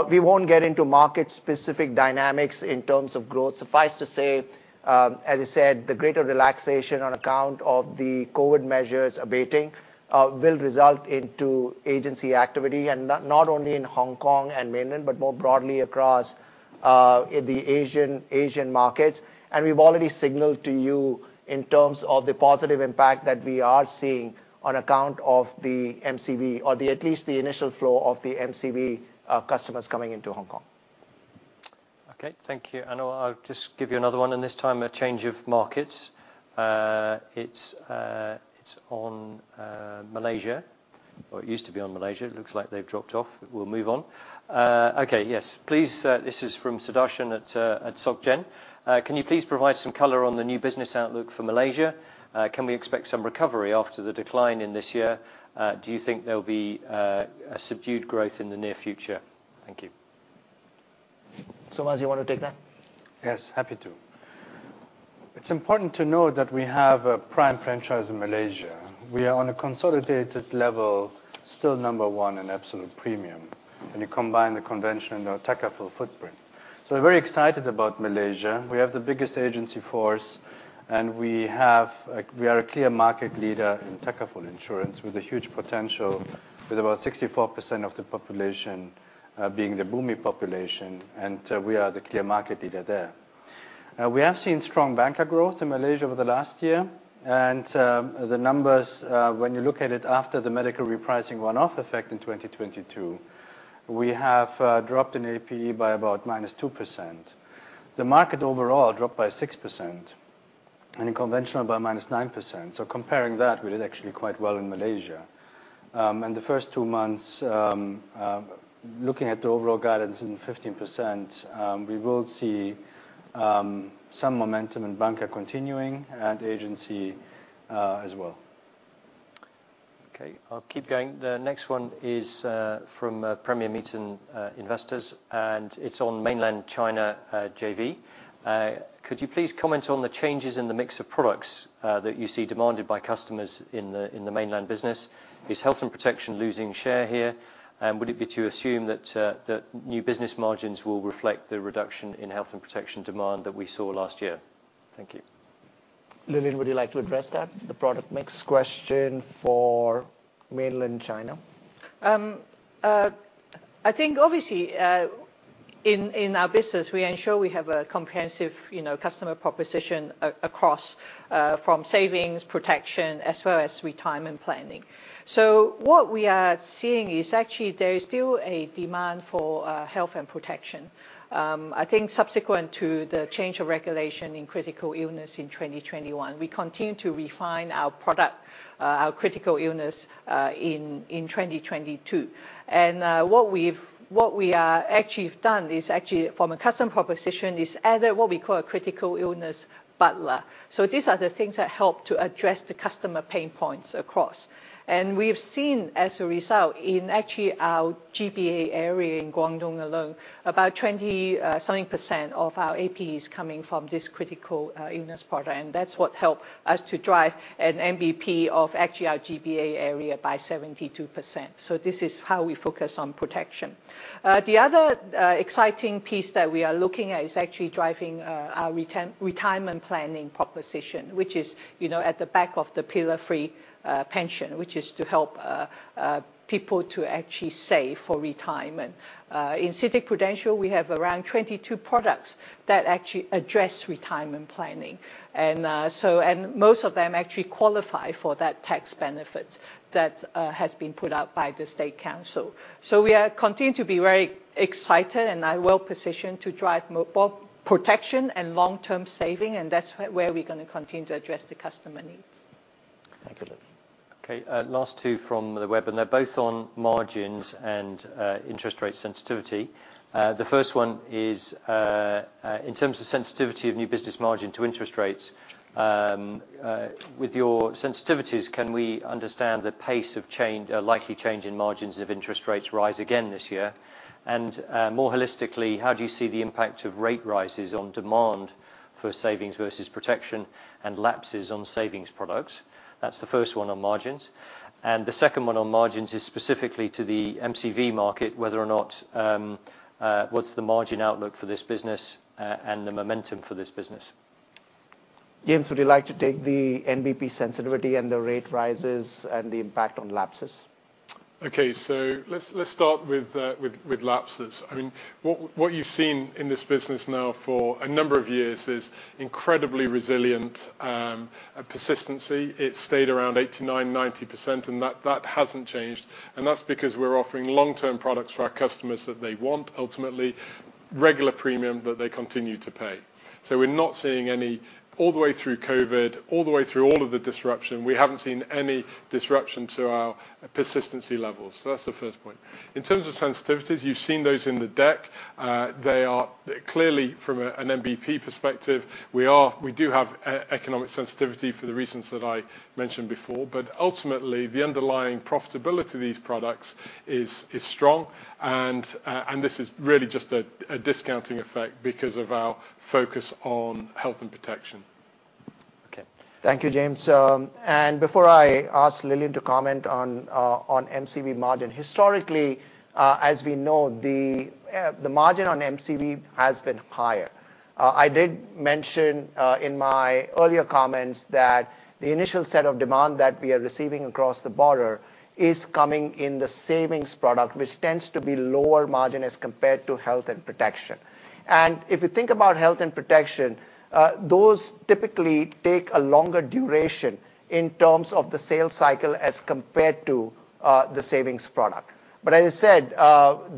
we won't get into market-specific dynamics in terms of growth. Suffice to say, as I said, the greater relaxation on account of the COVID measures abating, will result into agency activity, and not only in Hong Kong and Mainland, but more broadly across the Asian markets. We've already signaled to you in terms of the positive impact that we are seeing on account of the MCV or the, at least the initial flow of the MCV, customers coming into Hong Kong. Okay, thank you. Anil, I'll just give you another one, this time a change of markets. It's, it's on Malaysia. It used to be on Malaysia. It looks like they've dropped off. We'll move on. Okay, yes. Please, this is from Sudarshan at Soc Gen. Can you please provide some color on the new business outlook for Malaysia? Can we expect some recovery after the decline in this year? Do you think there'll be a subdued growth in the near future? Thank you. Solmaz, you wanna take that? Yes, happy to. It's important to know that we have a prime franchise in Malaysia. We are on a consolidated level, still number 1 in absolute premium, when you combine the convention or Takaful footprint. We're very excited about Malaysia. We have the biggest agency force, and we have, like, we are a clear market leader in Takaful insurance with a huge potential, with about 64% of the population being the Bumiputera population, and we are the clear market leader there. We have seen strong banker growth in Malaysia over the last year, and the numbers, when you look at it after the medical repricing one-off effect in 2022, we have dropped an APE by about -2%. The market overall dropped by 6%, and in conventional by -9%. Comparing that, we did actually quite well in Malaysia. The first two months, looking at the overall guidance in 15%, we will see some momentum in banker continuing and agency as well. Okay, I'll keep going. The next one is from Premier Miton Investors, and it's on mainland China JV. Could you please comment on the changes in the mix of products that you see demanded by customers in the mainland business? Is Health and Protection losing share here? Would it be to assume that the new business margins will reflect the reduction in Health and Protection demand that we saw last year? Thank you. Lilian, would you like to address that? The product mix question for mainland China. I think obviously, in our business we ensure we have a comprehensive, you know, customer proposition across, from savings, protection, as well as retirement planning. What we are seeing is actually there is still a demand for Health and Protection. I think subsequent to the change of regulation in critical illness in 2021, we continue to refine our product, our critical illness, in 2022. What we are actually have done is actually from a customer proposition is added what we call a critical illness butler. These are the things that help to address the customer pain points across. We have seen as a result in actually our GBA area in Guangdong alone, about 20 something percent of our AP is coming from this critical illness product. That's what help us to drive an NBP of actually our GBA area by 72%. This is how we focus on protection. The other exciting piece that we are looking at is actually driving our retirement planning proposition, which is, you know, at the back of the Pillar 3 pension. Which is to help people to actually save for retirement. In CITIC Prudential, we have around 22 products that actually address retirement planning. Most of them actually qualify for that tax benefit that has been put out by the state council. We are continue to be very excited and are well positioned to drive mobile protection and long-term saving, and that's where we're gonna continue to address the customer needs. Thank you, Lilian. Okay, last two from the web, they're both on margins and interest rate sensitivity. The first one is in terms of sensitivity of new business margin to interest rates, with your sensitivities, can we understand the pace of change, likely change in margins if interest rates rise again this year? More holistically, how do you see the impact of rate rises on demand for savings versus protection and lapses on savings products? That's the first one on margins. The second one on margins is specifically to the MCV market, whether or not, what's the margin outlook for this business, and the momentum for this business? James, would you like to take the NBP sensitivity and the rate rises and the impact on lapses? Okay, let's start with lapses. I mean, what you've seen in this business now for a number of years is incredibly resilient persistency. It stayed around 89%-90%, and that hasn't changed. That's because we're offering long-term products for our customers that they want ultimately, regular premium that they continue to pay. We're not seeing any. All the way through COVID, all the way through all of the disruption, we haven't seen any disruption to our persistency levels. That's the first point. In terms of sensitivities, you've seen those in the deck. They are clearly from an NBP perspective, we do have economic sensitivity for the reasons that I mentioned before. Ultimately, the underlying profitability of these products is strong and this is really just a discounting effect because of our focus on Health and Protection. Okay. Thank you, James. Before I ask Lilian to comment on MCV margin, historically, as we know, the margin on MCV has been higher. I did mention in my earlier comments that the initial set of demand that we are receiving across the border is coming in the savings product, which tends to be lower margin as compared to Health and Protection. If you think about Health and Protection, those typically take a longer duration in terms of the sales cycle as compared to the savings product. As I said,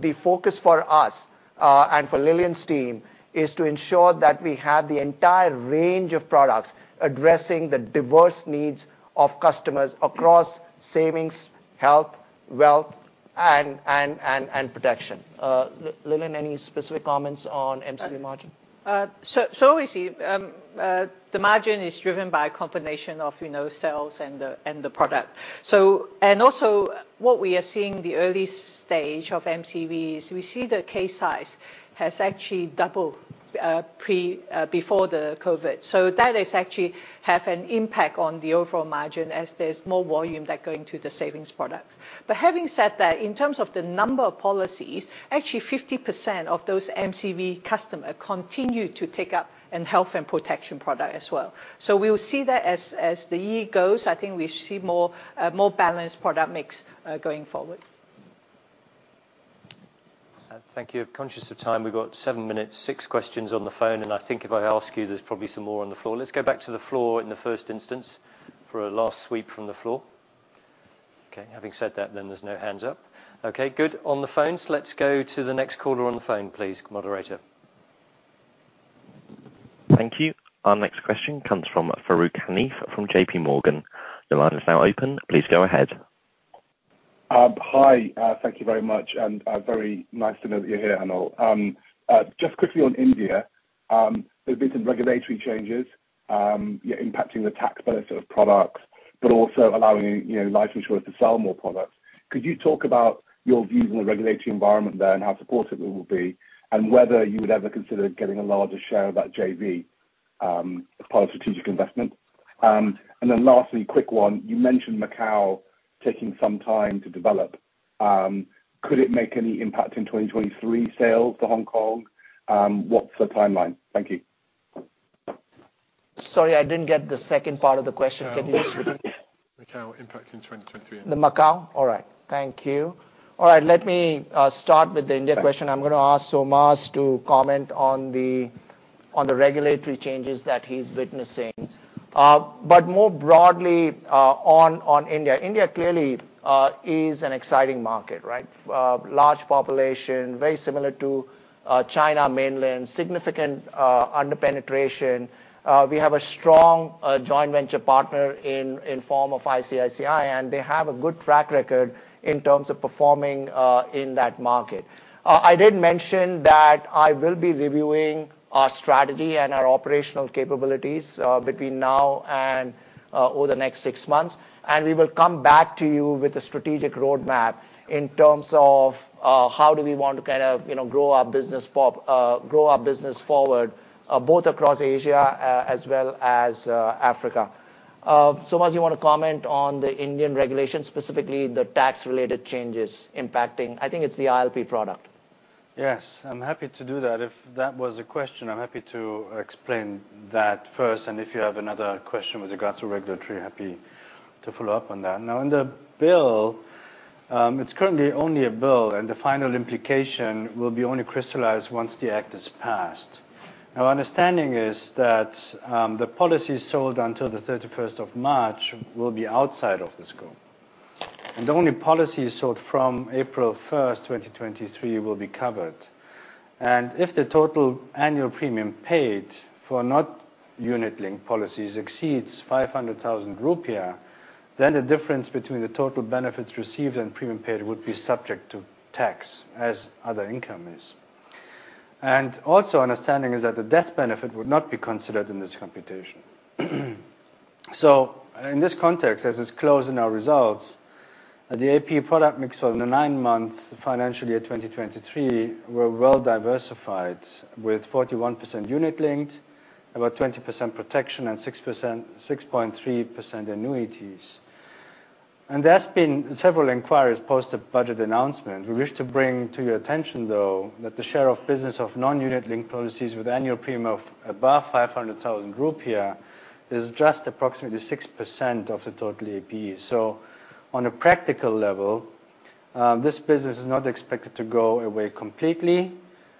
the focus for us and for Lilian's team, is to ensure that we have the entire range of products addressing the diverse needs of customers across savings, health, wealth, and protection. Lilian, any specific comments on MCV margin? We see, you know, the margin is driven by a combination of sales and the product. What we are seeing the early stage of MCV is we see the case size has actually double before the COVID. That is actually have an impact on the overall margin as there's more volume that going to the savings products. Having said that, in terms of the number of policies, actually 50% of those MCV customer continue to take up an Health and Protection product as well. We'll see that as the year goes. I think we see more, a more balanced product mix going forward. Thank you. Conscious of time, we've got seven minutes, six questions on the phone. I think if I ask you, there's probably some more on the floor. Let's go back to the floor in the first instance for a last sweep from the floor. Okay, having said that, there's no hands up. Okay, good. On the phones, let's go to the next caller on the phone, please, moderator. Thank you. Our next question comes from Farooq Hanif from JPMorgan. The line is now open. Please go ahead. Hi, thank you very much and very nice to know that you're here, Anil. Just quickly on India, there's been some regulatory changes, impacting the tax base of products, but also allowing, you know, life insurers to sell more products. Could you talk about your views on the regulatory environment there and how supportive it will be, and whether you would ever consider getting a larger share of that JV as part of strategic investment? Lastly, quick one, you mentioned Macau taking some time to develop. Could it make any impact in 2023 sales to Hong Kong? What's the timeline? Thank you. Sorry, I didn't get the second part of the question. Can you just repeat? Macau impact in 2023. The Macau? All right. Thank you. All right, let me start with the India question. Okay. I'm gonna ask Solmaz to comment on the regulatory changes that he's witnessing. More broadly, on India. India clearly, is an exciting market, right? Large population, very similar to China Mainland, significant under-penetration. We have a strong joint venture partner in form of ICICI, they have a good track record in terms of performing in that market. I did mention that I will be reviewing our strategy and our operational capabilities between now and over the next 6 months, we will come back to you with a strategic roadmap in terms of how do we want to kind of, you know, grow our business forward both across Asia, as well as Africa. Solmaz, you wanna comment on the Indian regulation, specifically the tax-related changes impacting... I think it's the ILP product? Yes, I'm happy to do that. If that was the question, I'm happy to explain that first, and if you have another question with regards to regulatory, happy to follow up on that. Now, in the bill, it's currently only a bill, and the final implication will be only crystallized once the act is passed. Our understanding is that the policies sold until the 31st of March will be outside of the scope. Only policies sold from April 1st, 2023 will be covered. If the total annual premium paid for not unit-linked policies exceeds 500,000 rupiah, then the difference between the total benefits received and premium paid would be subject to tax as other income is. Understanding is that the death benefit would not be considered in this computation. In this context, as it's closed in our results, the AP product mix over the nine months, financial year 2023 were well diversified with 41% unit linked, about 20% protection and 6.3% annuities. There's been several inquiries post the budget announcement. We wish to bring to your attention, though, that the share of business of non-unit linked policies with annual premium of above 500,000 rupiah is just approximately 6% of the total AP. On a practical level, this business is not expected to go away completely,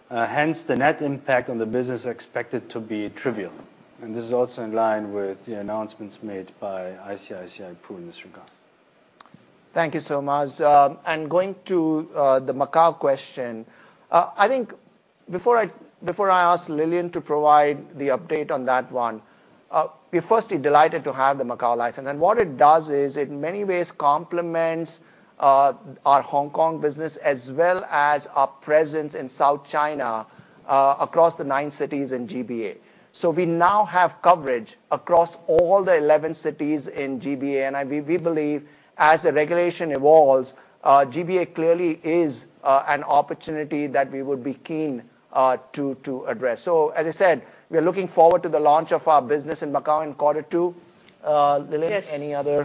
hence the net impact on the business expected to be trivial. This is also in line with the announcements made by ICICI Pru in this regard. Thank you, Solmaz. Going to the Macau question. I think before I ask Lilian to provide the update on that one, we're firstly delighted to have the Macau license. What it does is, it in many ways complements our Hong Kong business as well as our presence in South China, across the nine cities in GBA. We now have coverage across all the 11 cities in GBA. We believe, as the regulation evolves, GBA clearly is an opportunity that we would be keen to address. As I said, we are looking forward to the launch of our business in Macau in quarter two. Lilian- Yes. Any other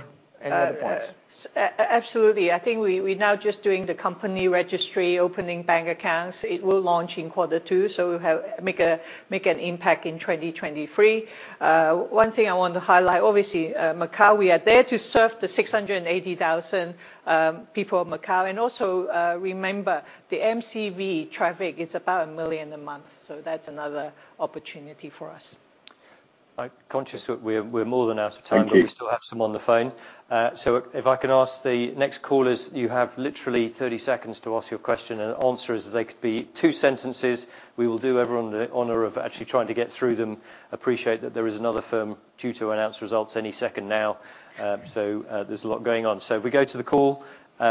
points? Absolutely. I think we now just doing the company registry, opening bank accounts. It will launch in quarter two, so we'll make an impact in 2023. One thing I want to highlight, obviously, Macau, we are there to serve the 680,000 people of Macau. Also, remember the MCV traffic is about 1 million a month, so that's another opportunity for us. I'm conscious that we're more than out of time. Thank you. We still have some on the phone. If I can ask the next callers, you have literally 30 seconds to ask your question, and answers, they could be two sentences. We will do everyone the honor of actually trying to get through them. Appreciate that there is another firm due to announce results any second now, there's a lot going on. If we go to the call,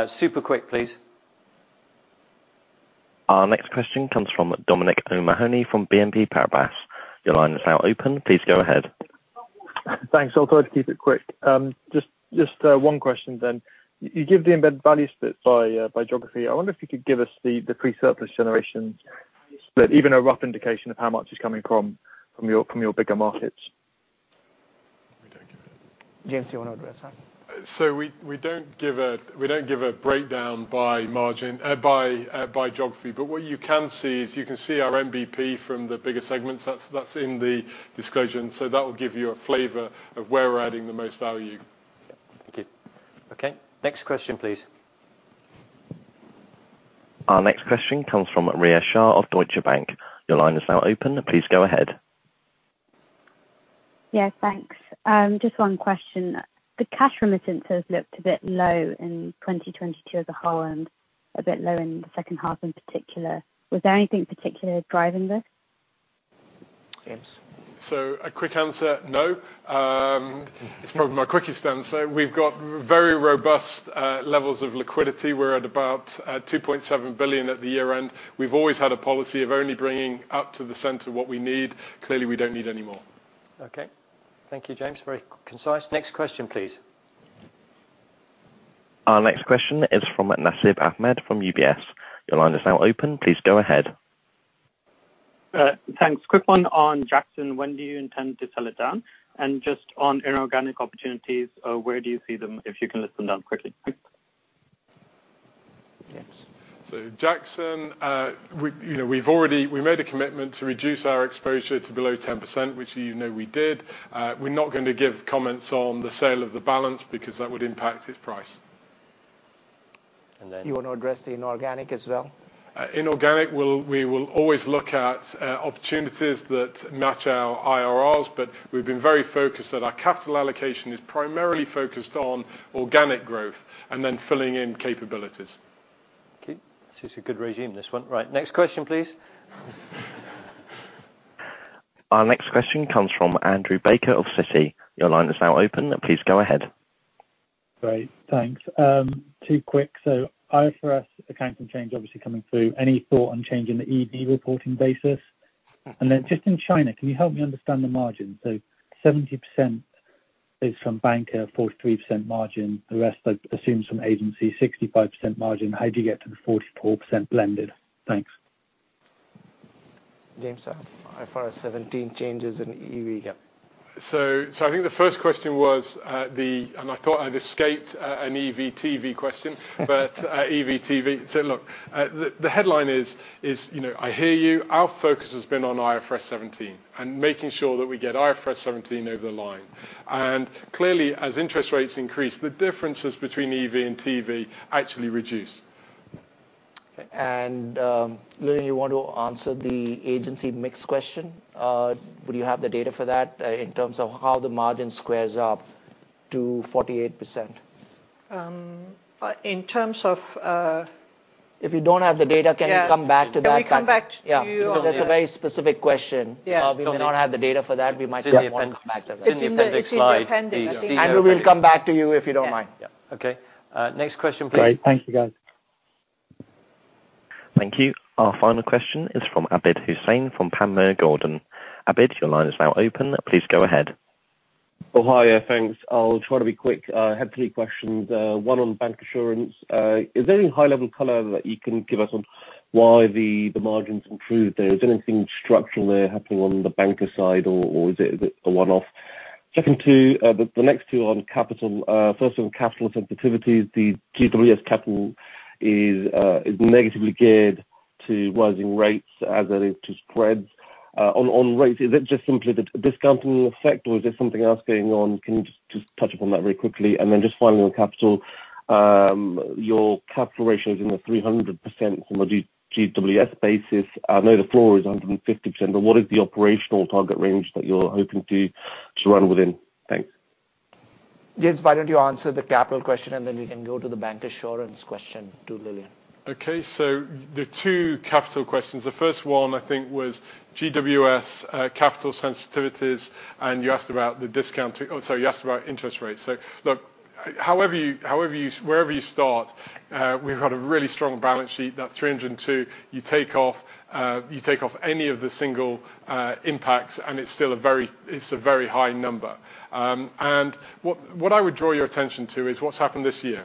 super quick, please. Our next question comes from Dominic O'Mahony from BNP Paribas. Your line is now open. Please go ahead. Thanks. I'll try to keep it quick. Just one question then. You give the embedded value split by geography. I wonder if you could give us the pre-surplus generation split. Even a rough indication of how much is coming from your bigger markets. James, do you wanna address that? We don't give a breakdown by margin, by geography. What you can see is you can see our MBP from the bigger segments. That's in the disclosure. That will give you a flavor of where we're adding the most value. Yeah, thank you. Okay, next question please. Our next question comes from Rhea Shah of Deutsche Bank. Your line is now open. Please go ahead. Yeah, thanks. Just one question. The cash remittances looked a bit low in 2022 as a whole, and a bit low in the second half in particular. Was there anything particular driving this? James? A quick answer, no. It's probably my quickest answer. We've got very robust levels of liquidity. We're at about $2.7 billion at the year-end. We've always had a policy of only bringing up to the center what we need. Clearly, we don't need any more. Okay. Thank you, James. Very concise. Next question, please. Our next question is from Nasib Ahmed from UBS. Your line is now open. Please go ahead. Thanks. Quick one on Jackson. When do you intend to sell it down? Just on inorganic opportunities, where do you see them, if you can list them down quickly, please. James. Jackson, you know, we made a commitment to reduce our exposure to below 10%, which you know we did. We're not gonna give comments on the sale of the balance because that would impact its price. And then- You wanna address the inorganic as well? Inorganic we will always look at opportunities that match our IRRs, but we've been very focused that our capital allocation is primarily focused on organic growth and then filling in capabilities. This is a good regime, this one. Next question, please. Our next question comes from Andrew Baker of Citi. Your line is now open. Please go ahead. Great. Thanks. two quick. IFRS accounting change obviously coming through. Any thought on changing the EV reporting basis? Just in China, can you help me understand the margin? 70% is from bank, 43% margin. The rest I assume is from agency, 65% margin. How'd you get to the 44% blended? Thanks. James, IFRS 17 changes and EV, yeah. I think the first question was. I thought I'd escaped an EEV question. EEV. Look, the headline is, you know, I hear you. Our focus has been on IFRS 17 and making sure that we get IFRS 17 over the line. Clearly, as interest rates increase, the differences between EV and TV actually reduce. Okay. Lilian, you want to answer the agency mix question? Would you have the data for that, in terms of how the margin squares up to 48%? In terms of... If you don't have the data- Yeah. Can you come back to that? Can we come back to you on that? Yeah. 'Cause that's a very specific question. Yeah. We do not have the data for that. We might have one come back to that. It's in the appendix slide. It's in the appendix. We will come back to you, if you don't mind. Yeah. Yeah. Okay. next question, please. Great. Thank you, guys. Thank you. Our final question is from Abid Hussain from Panmure Gordon. Abid, your line is now open. Please go ahead. Hi. Thanks. I'll try to be quick. I have three questions. One on bancassurance. Is there any high level color that you can give us on why the margins improved there? Is there anything structural there happening on the banker side or is it a one-off? Second two, the next two on capital. First on capital sensitivities. The GWS capital is negatively geared to rising rates as it is to spreads. On rates, is that just simply the discounting effect or is there something else going on? Can you just touch upon that very quickly? Just finally on capital, your capital ratio is in the 300% on the GWS basis. I know the floor is 150%, but what is the operational target range that you're hoping to run within? Thanks. James, why don't you answer the capital question. Then we can go to the bancassurance question to Lilian. There are two capital questions. The first one I think was GWS capital sensitivities, and you asked about the discounting. Sorry, you asked about interest rates. Look, however you, wherever you start, we've had a really strong balance sheet. That 302, you take off, you take off any of the single impacts, and it's still a very, it's a very high number. And what I would draw your attention to is what's happened this year.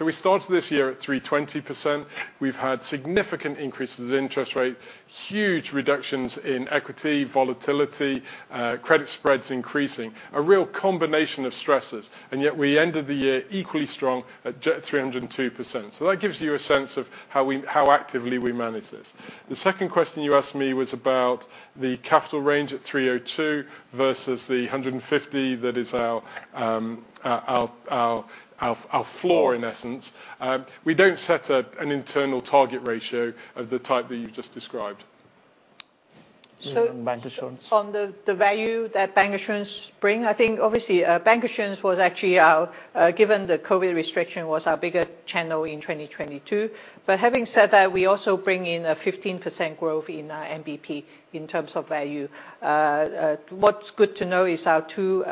We started this year at 320%. We've had significant increases in interest rate, huge reductions in equity, volatility, credit spreads increasing. A real combination of stresses, and yet we ended the year equally strong at 302%. That gives you a sense of how we, how actively we manage this. The second question you asked me was about the capital range at 302% versus the 150% that is our floor, in essence. We don't set up an internal target ratio of the type that you've just described. Lilian, bancassurance. On the value that bancassurance bring, I think obviously, bancassurance was actually our, given the COVID restriction, was our biggest channel in 2022. Having said that, we also bring in a 15% growth in NBP in terms of value. What's good to know is our two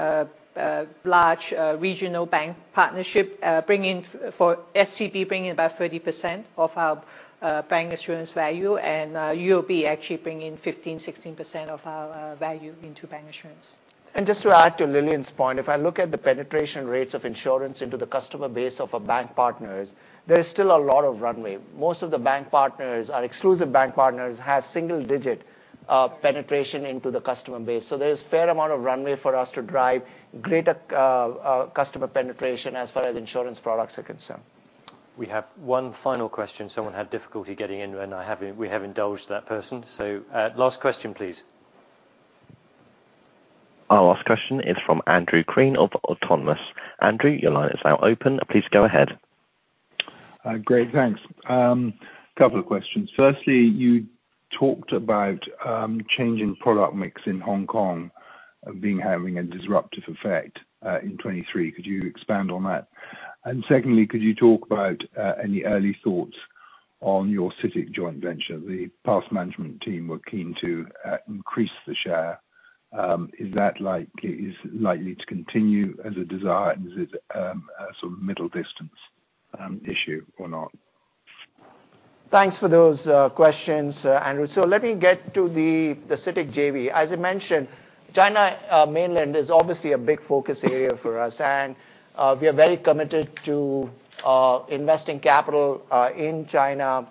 large regional bank partnership bring in SCB bring in about 30% of our bancassurance value, and UOB actually bring in 15%, 16% of our value into bancassurance. Just to add to Lilian's point, if I look at the penetration rates of insurance into the customer base of our bank partners, there is still a lot of runway. Most of the bank partners, our exclusive bank partners, have single digit penetration into the customer base. There is fair amount of runway for us to drive greater customer penetration as far as insurance products are concerned. We have one final question. Someone had difficulty getting in, and we have indulged that person. Last question, please. Our last question is from Andrew Green of Autonomous. Andrew, your line is now open. Please go ahead. Great, thanks. Couple of questions. Firstly, you talked about changing product mix in Hong Kong having a disruptive effect in 2023. Could you expand on that? Secondly, could you talk about any early thoughts on your CITIC joint venture? The past management team were keen to increase the share. Is that likely to continue as a desire? Is it, a sort of middle distance, issue or not? Thanks for those questions, Andrew. Let me get to the CITIC JV. As I mentioned, China Mainland is obviously a big focus area for us, and we are very committed to investing capital in China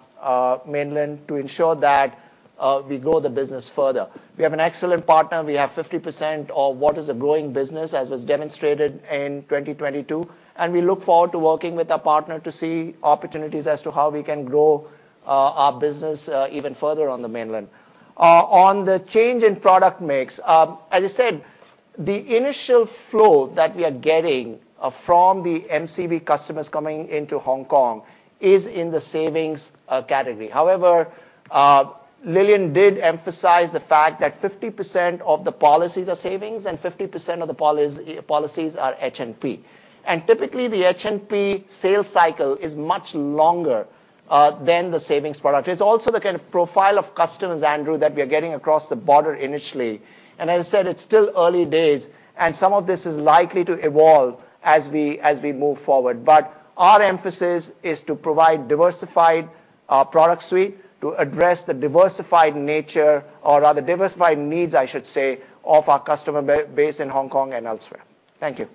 Mainland to ensure that we grow the business further. We have an excellent partner. We have 50% of what is a growing business, as was demonstrated in 2022, and we look forward to working with our partner to see opportunities as to how we can grow our business even further on the Mainland. On the change in product mix, as I said, the initial flow that we are getting from the MCV customers coming into Hong Kong is in the savings category. However, Lilian did emphasize the fact that 50% of the policies are savings and 50% of the policies are HNP. Typically, the HNP sales cycle is much longer than the savings product. It's also the kind of profile of customers, Andrew, that we are getting across the border initially. As I said, it's still early days, and some of this is likely to evolve as we move forward. Our emphasis is to provide diversified product suite to address the diversified nature or other diversified needs, I should say, of our customer based in Hong Kong and elsewhere. Thank you.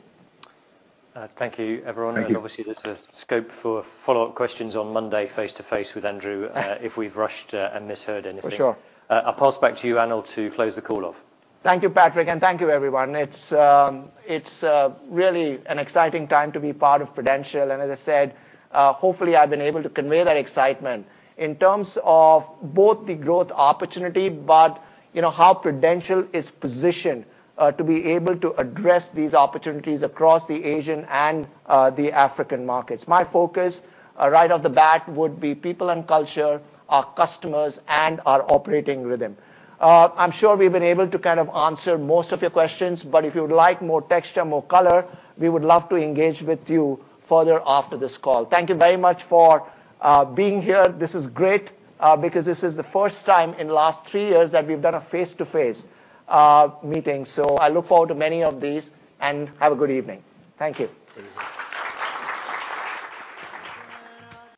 Thank you, everyone. Thank you. Obviously there's a scope for follow-up questions on Monday face-to-face with Andrew, if we've rushed and misheard anything. For sure. I'll pass back to you, Anil, to close the call off. Thank you, Patrick, and thank you, everyone. It's really an exciting time to be part of Prudential. As I said, hopefully I've been able to convey that excitement in terms of both the growth opportunity, but, you know, how Prudential is positioned to be able to address these opportunities across the Asian and the African markets. My focus right off the bat would be people and culture, our customers, and our operating rhythm. I'm sure we've been able to kind of answer most of your questions, but if you'd like more texture, more color, we would love to engage with you further after this call. Thank you very much for being here. This is great because this is the first time in the last 3 years that we've done a face-to-face meeting. I look forward to many of these, and have a good evening. Thank you.